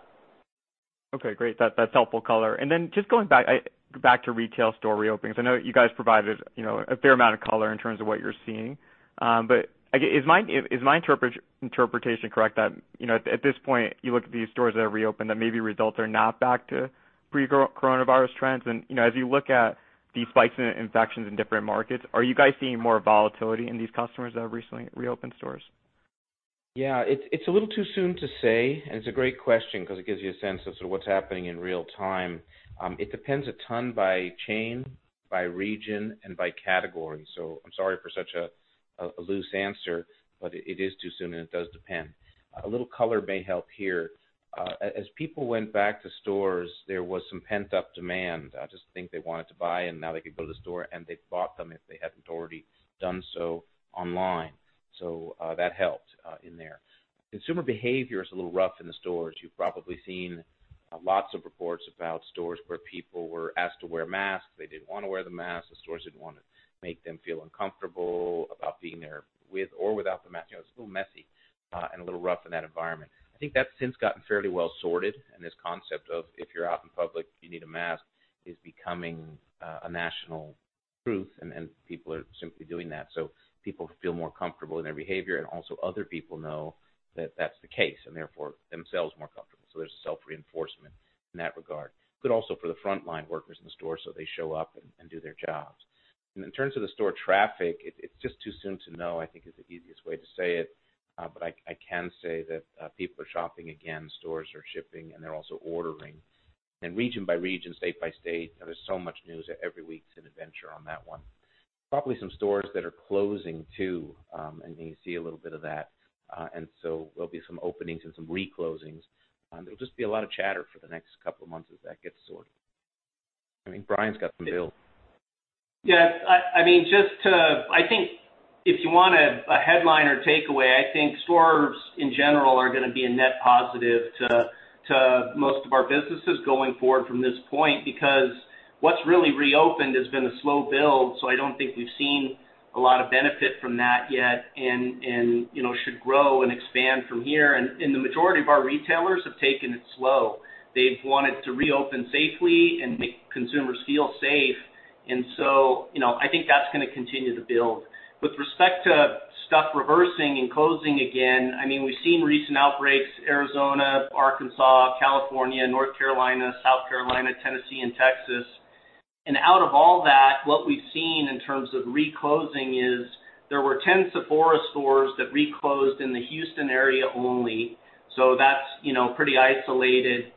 S6: Okay, great. That's helpful color. Just going back to retail store reopenings. I know you guys provided a fair amount of color in terms of what you're seeing. Is my interpretation correct that at this point, you look at these stores that have reopened, that maybe results are not back to pre-coronavirus trends? As you look at these spikes in infections in different markets, are you guys seeing more volatility in these customers that have recently reopened stores?
S3: Yeah. It's a little too soon to say, and it's a great question because it gives you a sense of sort of what's happening in real time. It depends a ton by chain, by region, and by category. I'm sorry for such a loose answer, but it is too soon, and it does depend. A little color may help here. As people went back to stores, there was some pent-up demand. I just think they wanted to buy, and now they could go to the store, and they bought them if they hadn't already done so online. That helped in there. Consumer behavior is a little rough in the stores. You've probably seen lots of reports about stores where people were asked to wear masks. They didn't want to wear the masks. The stores didn't want to make them feel uncomfortable about being there with or without the mask. It was a little messy and a little rough in that environment. I think that's since gotten fairly well sorted, and this concept of, if you're out in public, you need a mask, is becoming a national truth, and people are simply doing that. People feel more comfortable in their behavior, and also other people know that that's the case, and therefore themselves more comfortable. There's a self-reinforcement in that regard. Also for the frontline workers in the store, so they show up and do their jobs. In terms of the store traffic, it's just too soon to know, I think, is the easiest way to say it. I can say that people are shopping again, stores are shipping, and they're also ordering. Region by region, state by state, there's so much news. Every week is an adventure on that one. Probably some stores that are closing, too, and you see a little bit of that. There'll be some openings and some re-closings. There'll just be a lot of chatter for the next couple of months as that gets sorted. I think Brian's got some detail.
S4: I think if you want a headline or takeaway, I think stores in general are going to be a net positive to most of our businesses going forward from this point, because what's really reopened has been a slow build. I don't think we've seen a lot of benefit from that yet and should grow and expand from here. The majority of our retailers have taken it slow. They've wanted to reopen safely and make consumers feel safe. I think that's going to continue to build. With respect to stuff reversing and closing again, we've seen recent outbreaks, Arizona, Arkansas, California, North Carolina, South Carolina, Tennessee, and Texas. Out of all that, what we've seen in terms of re-closing is there were 10 Sephora stores that re-closed in the Houston area only. That's pretty isolated.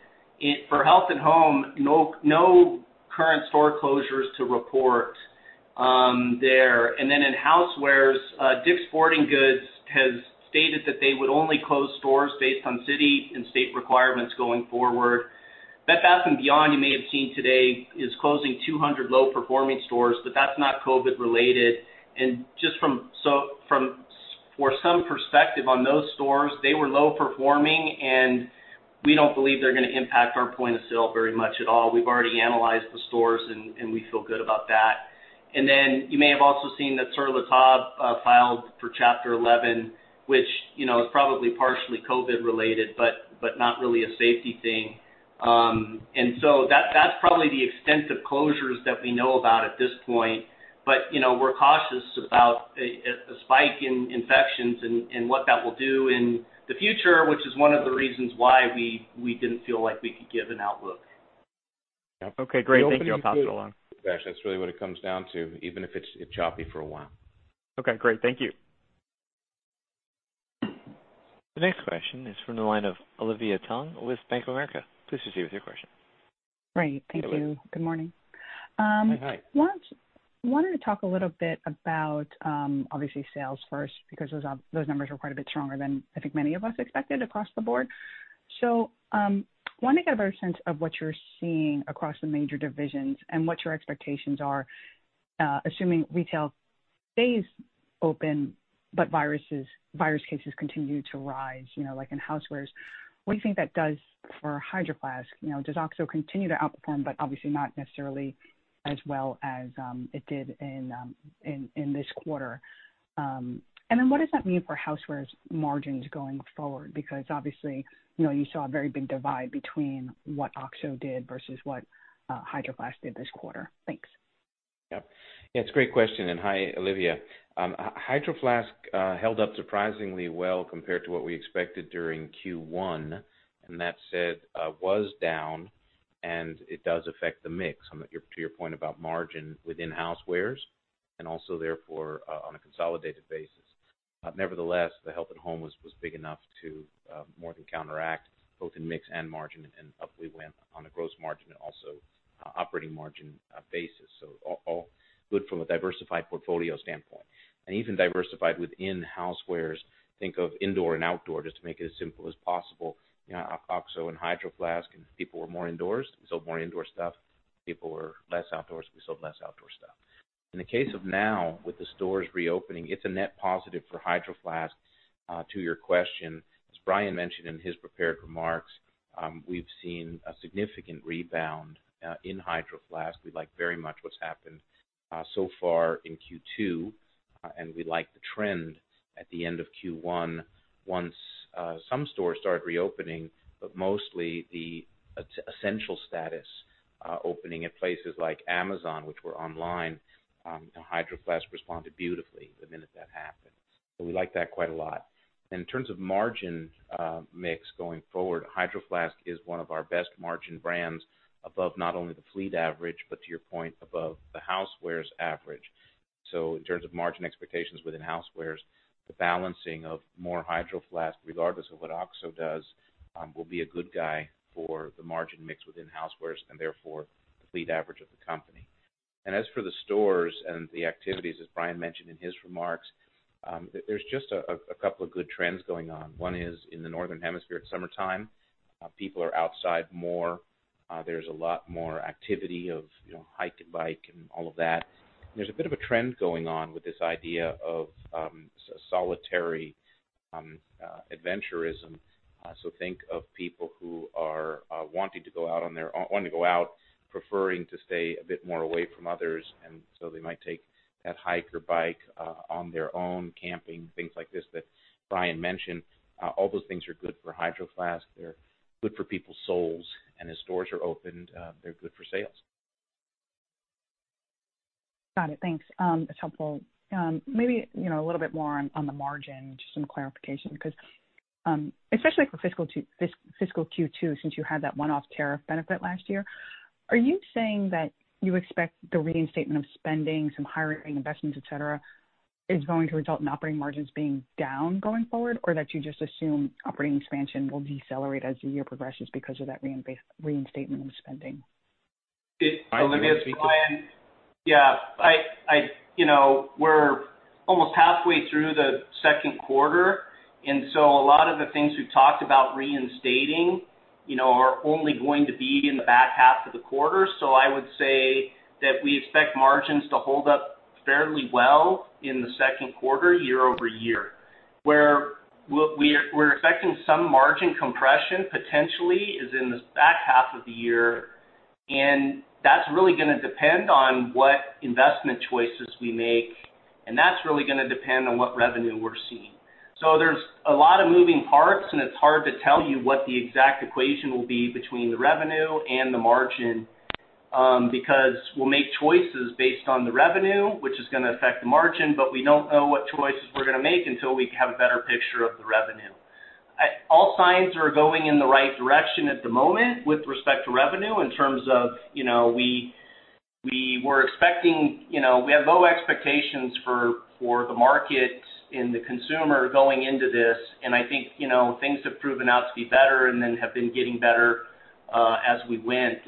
S4: For health and home, no current store closures to report there. Then in housewares, Dick's Sporting Goods has stated that they would only close stores based on city and state requirements going forward. Bed Bath & Beyond, you may have seen today, is closing 200 low-performing stores, but that's not COVID-related. For some perspective on those stores, they were low-performing, and we don't believe they're going to impact our point of sale very much at all. We've already analyzed the stores, and we feel good about that. Then you may have also seen that Sur La Table filed for Chapter 11, which is probably partially COVID-related, but not really a safety thing. So that's probably the extent of closures that we know about at this point. We're cautious about a spike in infections and what that will do in the future, which is one of the reasons why we didn't feel like we could give an outlook.
S6: Okay, great. Thank you. I'll pass it along.
S3: That's really what it comes down to, even if it's choppy for a while.
S6: Okay, great. Thank you.
S1: The next question is from the line of Olivia Tong with Bank of America. Please proceed with your question.
S7: Great. Thank you. Good morning.
S3: Hi.
S7: Wanted to talk a little bit about, obviously, sales first, because those numbers were quite a bit stronger than I think many of us expected across the board. Want to get a better sense of what you're seeing across the major divisions and what your expectations are, assuming retail stays open but virus cases continue to rise, like in housewares. What do you think that does for Hydro Flask? Does OXO continue to outperform, but obviously not necessarily as well as it did in this quarter? What does that mean for housewares margins going forward? Because obviously, you saw a very big divide between what OXO did versus what Hydro Flask did this quarter. Thanks.
S3: It's a great question, and hi, Olivia. Hydro Flask held up surprisingly well compared to what we expected during Q1. That said, was down, and it does affect the mix, to your point about margin within housewares, also therefore on a consolidated basis. Nevertheless, the health and home was big enough to more than counteract both in mix and margin, up we went on a gross margin also operating margin basis. All good from a diversified portfolio standpoint, even diversified within housewares. Think of indoor and outdoor, just to make it as simple as possible. OXO and Hydro Flask, people were more indoors, we sold more indoor stuff. People were less outdoors, we sold less outdoor stuff. In the case of now, with the stores reopening, it's a net positive for Hydro Flask, to your question. As Brian mentioned in his prepared remarks, we've seen a significant rebound in Hydro Flask. We like very much what's happened so far in Q2, and we like the trend at the end of Q1 once some stores started reopening, but mostly the essential status opening at places like Amazon, which were online, and Hydro Flask responded beautifully the minute that happened. We like that quite a lot. In terms of margin mix going forward, Hydro Flask is one of our best margin brands, above not only the fleet average, but to your point, above the housewares average. In terms of margin expectations within housewares, the balancing of more Hydro Flask, regardless of what OXO does, will be a good guy for the margin mix within housewares and therefore the fleet average of the company. As for the stores and the activities, as Brian mentioned in his remarks, there's just a couple of good trends going on. One is in the Northern Hemisphere, it's summertime. People are outside more. There's a lot more activity of hike and bike and all of that. There's a bit of a trend going on with this idea of solitary adventurism. Think of people who are wanting to go out, preferring to stay a bit more away from others, and so they might take that hike or bike on their own, camping, things like this that Brian mentioned. All those things are good for Hydro Flask, they're good for people's souls, and as stores are opened, they're good for sales.
S7: Got it. Thanks. That's helpful. Maybe a little bit more on the margin, just some clarification. Especially for fiscal Q2, since you had that one-off tariff benefit last year, are you saying that you expect the reinstatement of spending, some hiring, investments, et cetera, is going to result in operating margins being down going forward, or that you just assume operating expansion will decelerate as the year progresses because of that reinstatement of spending?
S4: Olivia, it's Brian. Yeah. We're almost halfway through the second quarter, a lot of the things we've talked about reinstating are only going to be in the back half of the quarter. I would say that we expect margins to hold up fairly well in the second quarter, year-over-year. Where we're expecting some margin compression, potentially, is in the back half of the year, that's really going to depend on what investment choices we make, that's really going to depend on what revenue we're seeing. There's a lot of moving parts, it's hard to tell you what the exact equation will be between the revenue and the margin, because we'll make choices based on the revenue, which is going to affect the margin, but we don't know what choices we're going to make until we have a better picture of the revenue. All signs are going in the right direction at the moment with respect to revenue, in terms of we have low expectations for the market and the consumer going into this. I think things have proven out to be better and then have been getting better as we went.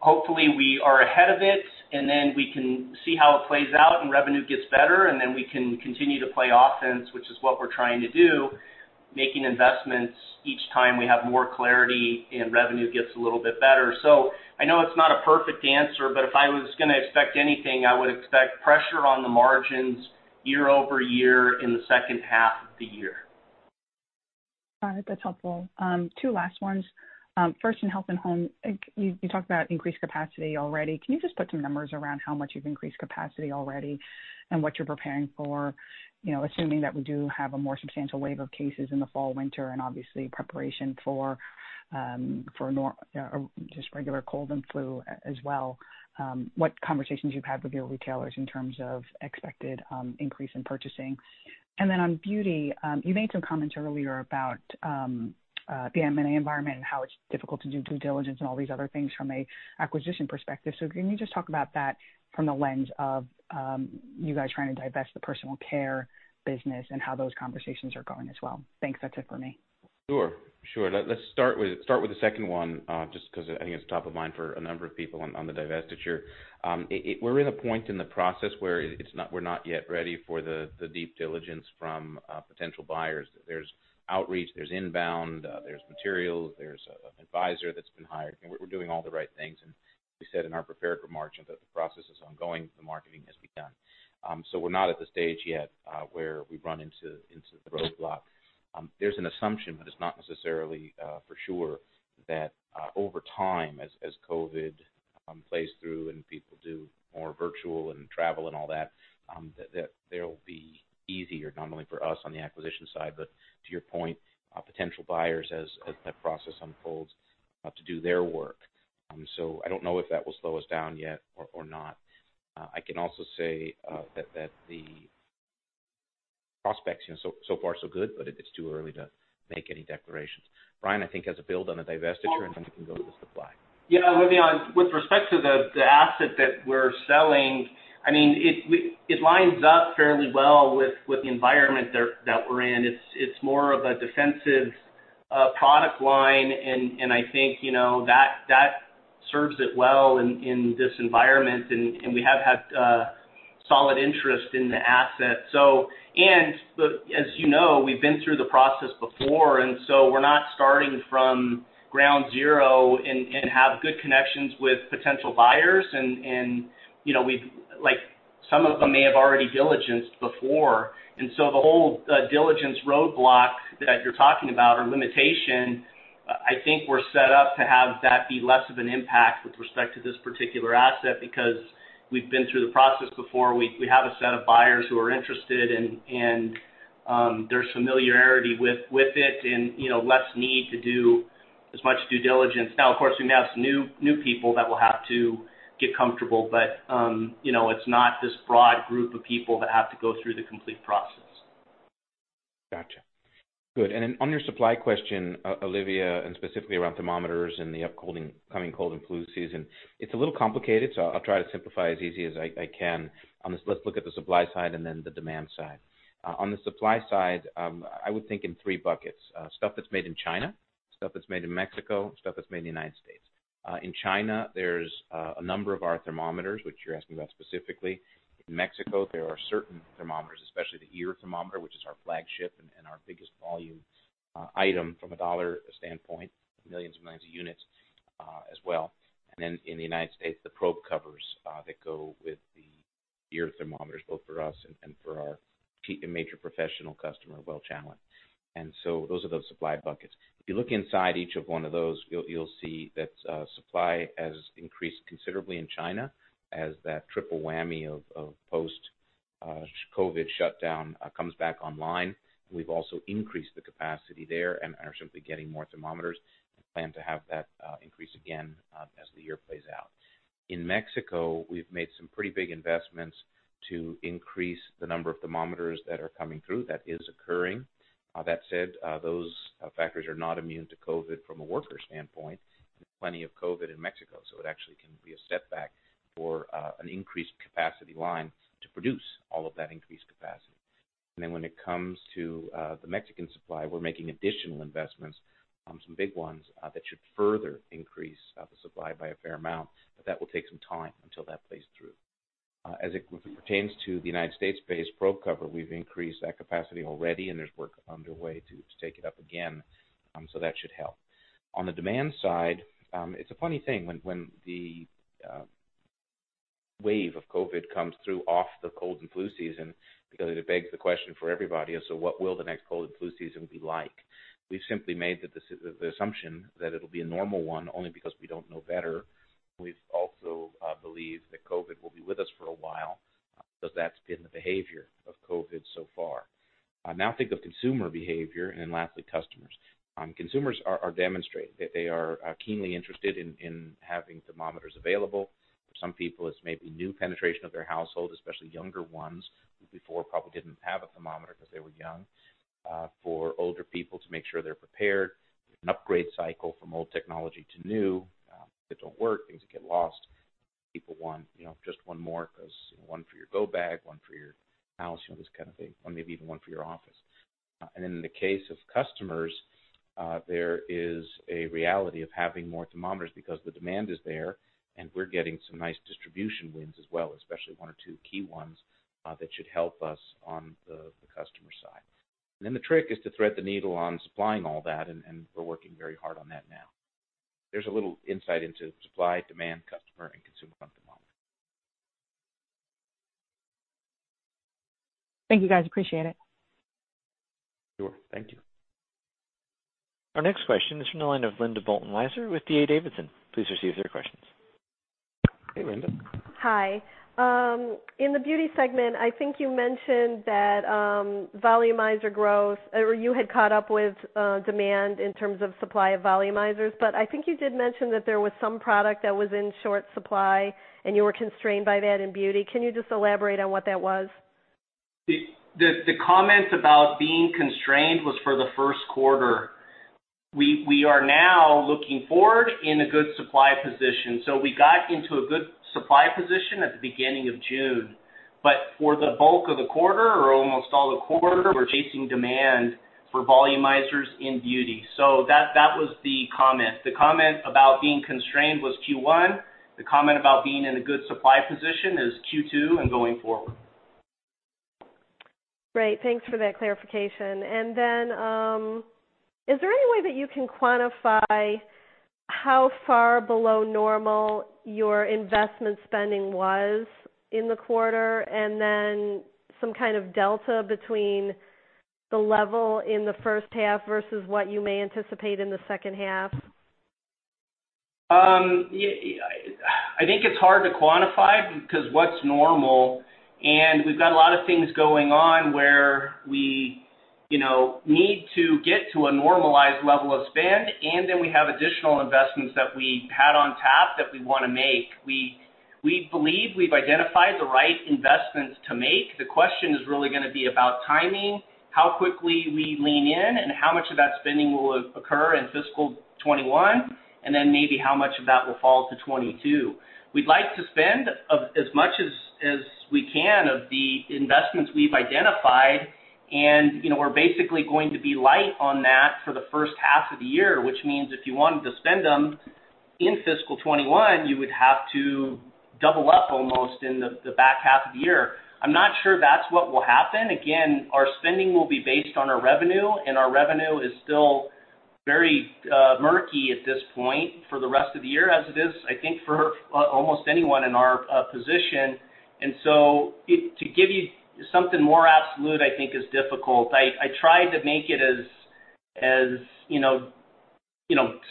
S4: Hopefully we are ahead of it, and then we can see how it plays out and revenue gets better, and then we can continue to play offense, which is what we're trying to do, making investments each time we have more clarity and revenue gets a little bit better. I know it's not a perfect answer, but if I was going to expect anything, I would expect pressure on the margins year-over-year in the second half of the year.
S7: All right. That's helpful. Two last ones. First in health and home, you talked about increased capacity already. Can you just put some numbers around how much you've increased capacity already and what you're preparing for, assuming that we do have a more substantial wave of cases in the fall, winter, and obviously preparation for just regular cold and flu as well, what conversations you've had with your retailers in terms of expected increase in purchasing. On beauty, you made some comments earlier about the M&A environment and how it's difficult to do due diligence and all these other things from an acquisition perspective. Can you just talk about that from the lens of you guys trying to divest the personal care business and how those conversations are going as well? Thanks. That's it for me.
S3: Sure. Let's start with the second one, just because I think it's top of mind for a number of people on the divestiture. We're in a point in the process where we're not yet ready for the deep diligence from potential buyers. There's outreach, there's inbound, there's material, there's an advisor that's been hired. We're doing all the right things, and we said in our prepared remarks that the process is ongoing, the marketing has begun. We're not at the stage yet, where we run into the roadblock. There's an assumption, but it's not necessarily for sure, that over time, as COVID plays through and people do more virtual and travel and all that it'll be easier, not only for us on the acquisition side, but to your point, potential buyers as that process unfolds to do their work. I don't know if that will slow us down yet or not. I can also say that the prospects so far so good, but it's too early to make any declarations. Brian, I think, has a build on a divestiture, and then we can go to the supply.
S4: Yeah, Olivia, with respect to the asset that we're selling, it lines up fairly well with the environment that we're in. It's more of a defensive product line, and I think that serves it well in this environment, and we have had solid interest in the asset. As you know, we've been through the process before, and so we're not starting from ground zero and have good connections with potential buyers, and some of them may have already diligenced before. So the whole diligence roadblock that you're talking about or limitation, I think we're set up to have that be less of an impact with respect to this particular asset because we've been through the process before. We have a set of buyers who are interested, and there's familiarity with it and less need to do as much due diligence. Of course, we have some new people that will have to get comfortable, but it's not this broad group of people that have to go through the complete process.
S3: Got you. Good. Then on your supply question, Olivia, and specifically around thermometers and the upcoming cold and flu season, it's a little complicated, so I'll try to simplify as easy as I can on this. Let's look at the supply side and then the demand side. On the supply side, I would think in three buckets: stuff that's made in China, stuff that's made in Mexico, stuff that's made in the United States. In China, there's a number of our thermometers, which you're asking about specifically. In Mexico, there are certain thermometers, especially the ear thermometer, which is our flagship and our biggest volume item from a dollar standpoint, millions and millions of units as well. Then in the United States, the probe covers that go with the ear thermometers, both for us and for our major professional customer, Welch Allyn. So those are those supply buckets. If you look inside each one of those, you'll see that supply has increased considerably in China as that triple whammy of post-COVID shutdown comes back online. We've also increased the capacity there and are simply getting more thermometers and plan to have that increase again as the year plays out. In Mexico, we've made some pretty big investments to increase the number of thermometers that are coming through. That is occurring. That said, those factors are not immune to COVID from a worker standpoint. There's plenty of COVID in Mexico, so it actually can be a setback for an increased capacity line to produce all of that increased capacity. When it comes to the Mexican supply, we're making additional investments, some big ones, that should further increase the supply by a fair amount. That will take some time until that plays through. As it pertains to the U.S.-based probe cover, we've increased that capacity already, and there's work underway to take it up again. That should help. On the demand side, it's a funny thing when the wave of COVID comes through off the cold and flu season, because it begs the question for everybody of, what will the next cold and flu season be like? We've simply made the assumption that it'll be a normal one, only because we don't know better. We also believe that COVID will be with us for a while, because that's been the behavior of COVID so far. Think of consumer behavior, lastly, customers. Consumers are demonstrating that they are keenly interested in having thermometers available. For some people, it's maybe new penetration of their household, especially younger ones who before probably didn't have a thermometer because they were young. For older people to make sure they're prepared, an upgrade cycle from old technology to new. Things that don't work, things that get lost. People want just one more because one for your go bag, one for your house, this kind of thing, or maybe even one for your office. In the case of customers, there is a reality of having more thermometers because the demand is there, and we're getting some nice distribution wins as well, especially one or two key ones that should help us on the customer side. Then the trick is to thread the needle on supplying all that, and we're working very hard on that now. There's a little insight into supply, demand, customer, and consumer on thermometer.
S7: Thank you, guys. Appreciate it.
S3: Sure. Thank you.
S1: Our next question is from the line of Linda Bolton-Weiser with D.A. Davidson. Please proceed with your questions.
S3: Hey, Linda.
S8: Hi. In the beauty segment, I think you mentioned that volumizer growth, or you had caught up with demand in terms of supply of volumizers. I think you did mention that there was some product that was in short supply, and you were constrained by that in beauty. Can you just elaborate on what that was?
S4: The comment about being constrained was for the first quarter. We are now looking forward in a good supply position. We got into a good supply position at the beginning of June. For the bulk of the quarter, or almost all the quarter, we're chasing demand for volumizers in beauty. That was the comment. The comment about being constrained was Q1. The comment about being in a good supply position is Q2 and going forward.
S8: Great. Thanks for that clarification. Is there any way that you can quantify how far below normal your investment spending was in the quarter? Some kind of delta between the level in the first half versus what you may anticipate in the second half?
S4: I think it's hard to quantify because what's normal, and we've got a lot of things going on where we need to get to a normalized level of spend, and then we have additional investments that we had on tap that we want to make. We believe we've identified the right investments to make. The question is really going to be about timing, how quickly we lean in, and how much of that spending will occur in fiscal 2021, and then maybe how much of that will fall to 2022. We'd like to spend as much as we can of the investments we've identified, and we're basically going to be light on that for the first half of the year. Which means if you wanted to spend them in fiscal 2021, you would have to double up almost in the back half of the year. I'm not sure that's what will happen. Again, our spending will be based on our revenue, and our revenue is still very murky at this point for the rest of the year as it is, I think, for almost anyone in our position. To give you something more absolute, I think, is difficult. I tried to make it as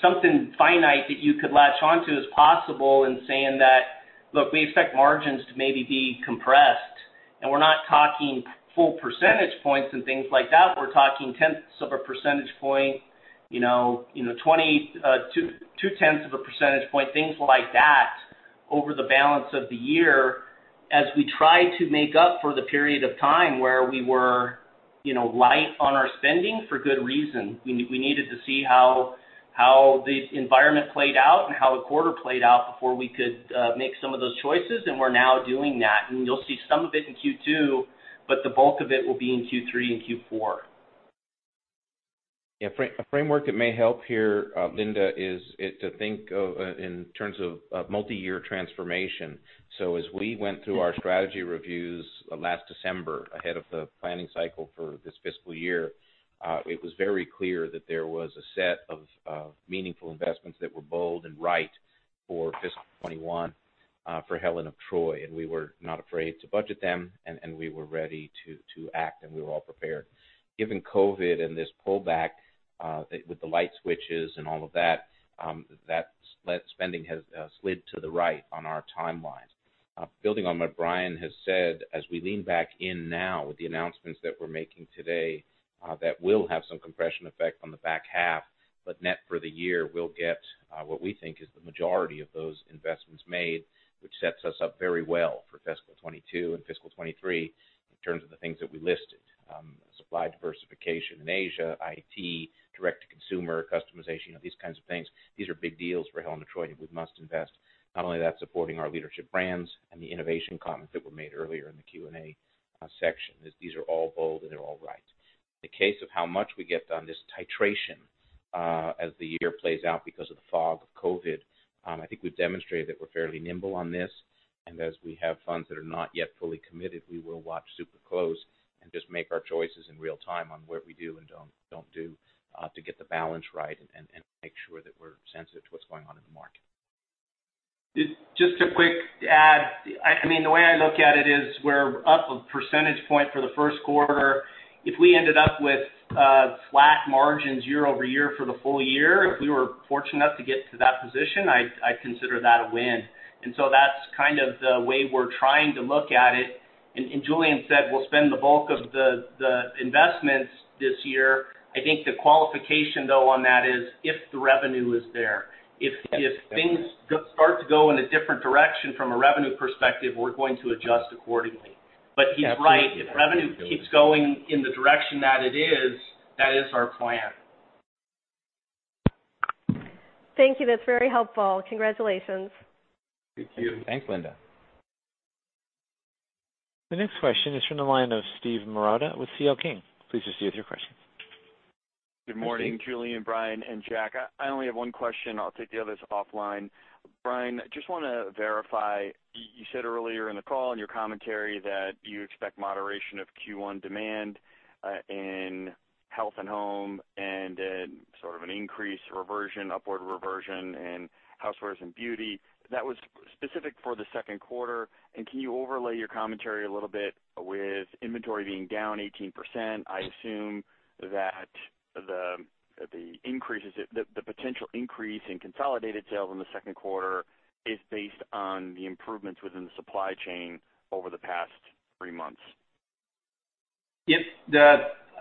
S4: something finite that you could latch onto as possible in saying that, look, we expect margins to maybe be compressed, and we're not talking full percentage points and things like that. We're talking tenths of a percentage point, two-tenths of a percentage point, things like that over the balance of the year as we try to make up for the period of time where we were light on our spending for good reason.
S3: We needed to see how the environment played out and how the quarter played out before we could make some of those choices, and we're now doing that. You'll see some of it in Q2, but the bulk of it will be in Q3 and Q4. Yeah. A framework that may help here, Linda, is to think in terms of multi-year transformation. As we went through our strategy reviews last December, ahead of the planning cycle for this fiscal year, it was very clear that there was a set of meaningful investments that were bold and right for fiscal 2021 for Helen of Troy, and we were not afraid to budget them, and we were ready to act, and we were all prepared. Given COVID and this pullback, with the light switches and all of that spending has slid to the right on our timeline. Building on what Brian has said, as we lean back in now with the announcements that we're making today, that will have some compression effect on the back half. Net for the year, we'll get what we think is the majority of those investments made, which sets us up very well for fiscal 2022 and fiscal 2023 in terms of the things that we listed, Supply diversification in Asia, IT, direct-to-consumer customization, these kinds of things. These are big deals for Helen of Troy, and we must invest, not only that, supporting our leadership brands and the innovation comments that were made earlier in the Q&A section. These are all bold, and they're all right. The case of how much we get done, this titration, as the year plays out because of the fog of COVID, I think we've demonstrated that we're fairly nimble on this, and as we have funds that are not yet fully committed, we will watch super close and just make our choices in real time on what we do and don't do to get the balance right and make sure that we're sensitive to what's going on in the market.
S4: Just a quick add. The way I look at it is we're up a percentage point for the first quarter. If we ended up with flat margins year-over-year for the full year, if we were fortunate enough to get to that position, I'd consider that a win. That's kind of the way we're trying to look at it. Julien said we'll spend the bulk of the investments this year. I think the qualification, though, on that is if the revenue is there. If things start to go in a different direction from a revenue perspective, we're going to adjust accordingly. He's right, if revenue keeps going in the direction that it is, that is our plan.
S8: Thank you. That's very helpful. Congratulations.
S4: Thank you.
S3: Thanks, Linda.
S1: The next question is from the line of Steve Marotta with C.L. King. Please proceed with your question.
S9: Good morning, Julien, Brian, and Jack. I only have one question. I'll take the others offline. Brian, just want to verify, you said earlier in the call in your commentary that you expect moderation of Q1 demand in Health & Home and then sort of an increase reversion, upward reversion in Housewares and Beauty. That was specific for the second quarter, can you overlay your commentary a little bit with inventory being down 18%, I assume that the potential increase in consolidated sales in the second quarter is based on the improvements within the supply chain over the past three months.
S4: Yep.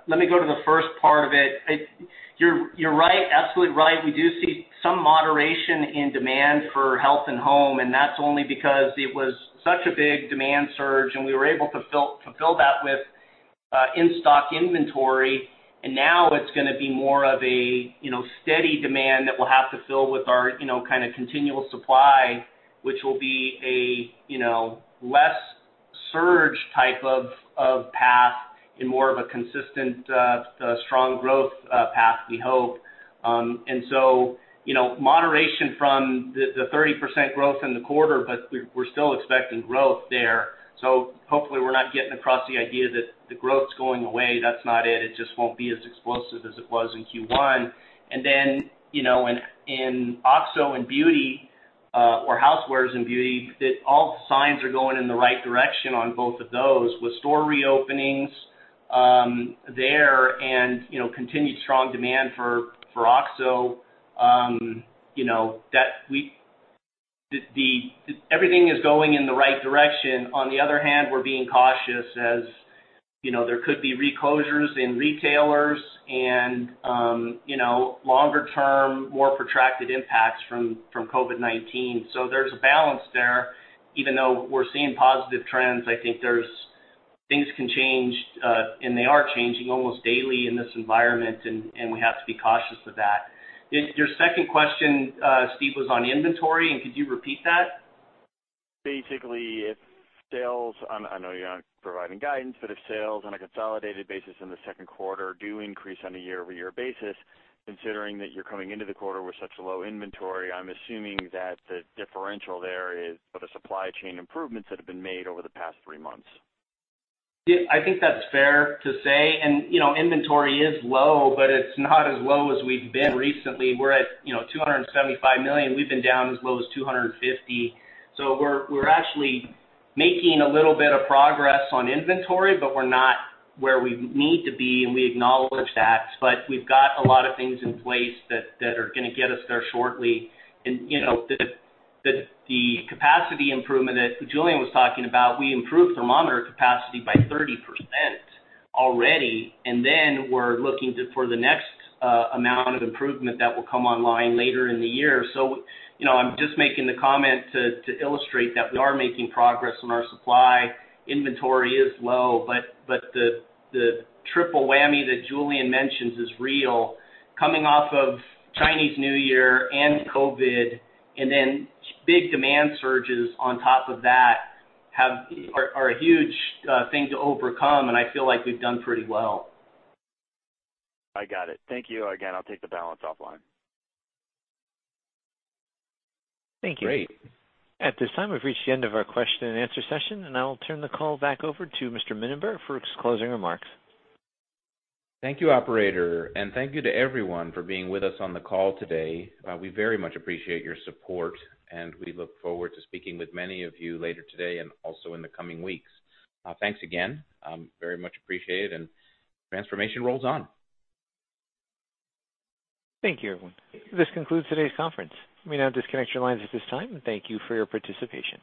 S4: Let me go to the first part of it. You're right, absolutely right. We do see some moderation in demand for Health & Home. That's only because it was such a big demand surge. We were able to fulfill that with in-stock inventory. Now it's going to be more of a steady demand that we'll have to fill with our kind of continual supply, which will be a less surge type of path and more of a consistent, strong growth path, we hope. Moderation from the 30% growth in the quarter. We're still expecting growth there. Hopefully we're not getting across the idea that the growth's going away. That's not it. It just won't be as explosive as it was in Q1. In OXO and Beauty, or Housewares and Beauty, all the signs are going in the right direction on both of those with store reopenings there and continued strong demand for OXO. Everything is going in the right direction. On the other hand, we're being cautious as there could be reclosures in retailers and longer-term, more protracted impacts from COVID-19. There's a balance there. Even though we're seeing positive trends, I think things can change, and they are changing almost daily in this environment, and we have to be cautious of that. Your second question, Steve, was on inventory, and could you repeat that?
S9: Basically, if sales, I know you're not providing guidance, but if sales on a consolidated basis in the second quarter do increase on a year-over-year basis, considering that you're coming into the quarter with such low inventory, I'm assuming that the differential there is of the supply chain improvements that have been made over the past three months.
S4: I think that's fair to say. Inventory is low, but it's not as low as we've been recently. We're at $275 million. We've been down as low as $250. We're actually making a little bit of progress on inventory, but we're not where we need to be, and we acknowledge that. We've got a lot of things in place that are going to get us there shortly. The capacity improvement that Julien was talking about, we improved thermometer capacity by 30% already, and then we're looking for the next amount of improvement that will come online later in the year. I'm just making the comment to illustrate that we are making progress on our supply. Inventory is low, but the triple whammy that Julien mentions is real. Coming off of Chinese New Year and COVID, and then big demand surges on top of that are a huge thing to overcome, and I feel like we've done pretty well.
S9: I got it. Thank you again. I'll take the balance offline.
S1: Thank you.
S3: Great.
S1: At this time, we've reached the end of our question and answer session, and I will turn the call back over to Mr. Mininberg for his closing remarks.
S3: Thank you, operator, and thank you to everyone for being with us on the call today. We very much appreciate your support, and we look forward to speaking with many of you later today and also in the coming weeks. Thanks again. Very much appreciate it. Transformation rolls on.
S1: Thank you, everyone. This concludes today's conference. You may now disconnect your lines at this time, and thank you for your participation.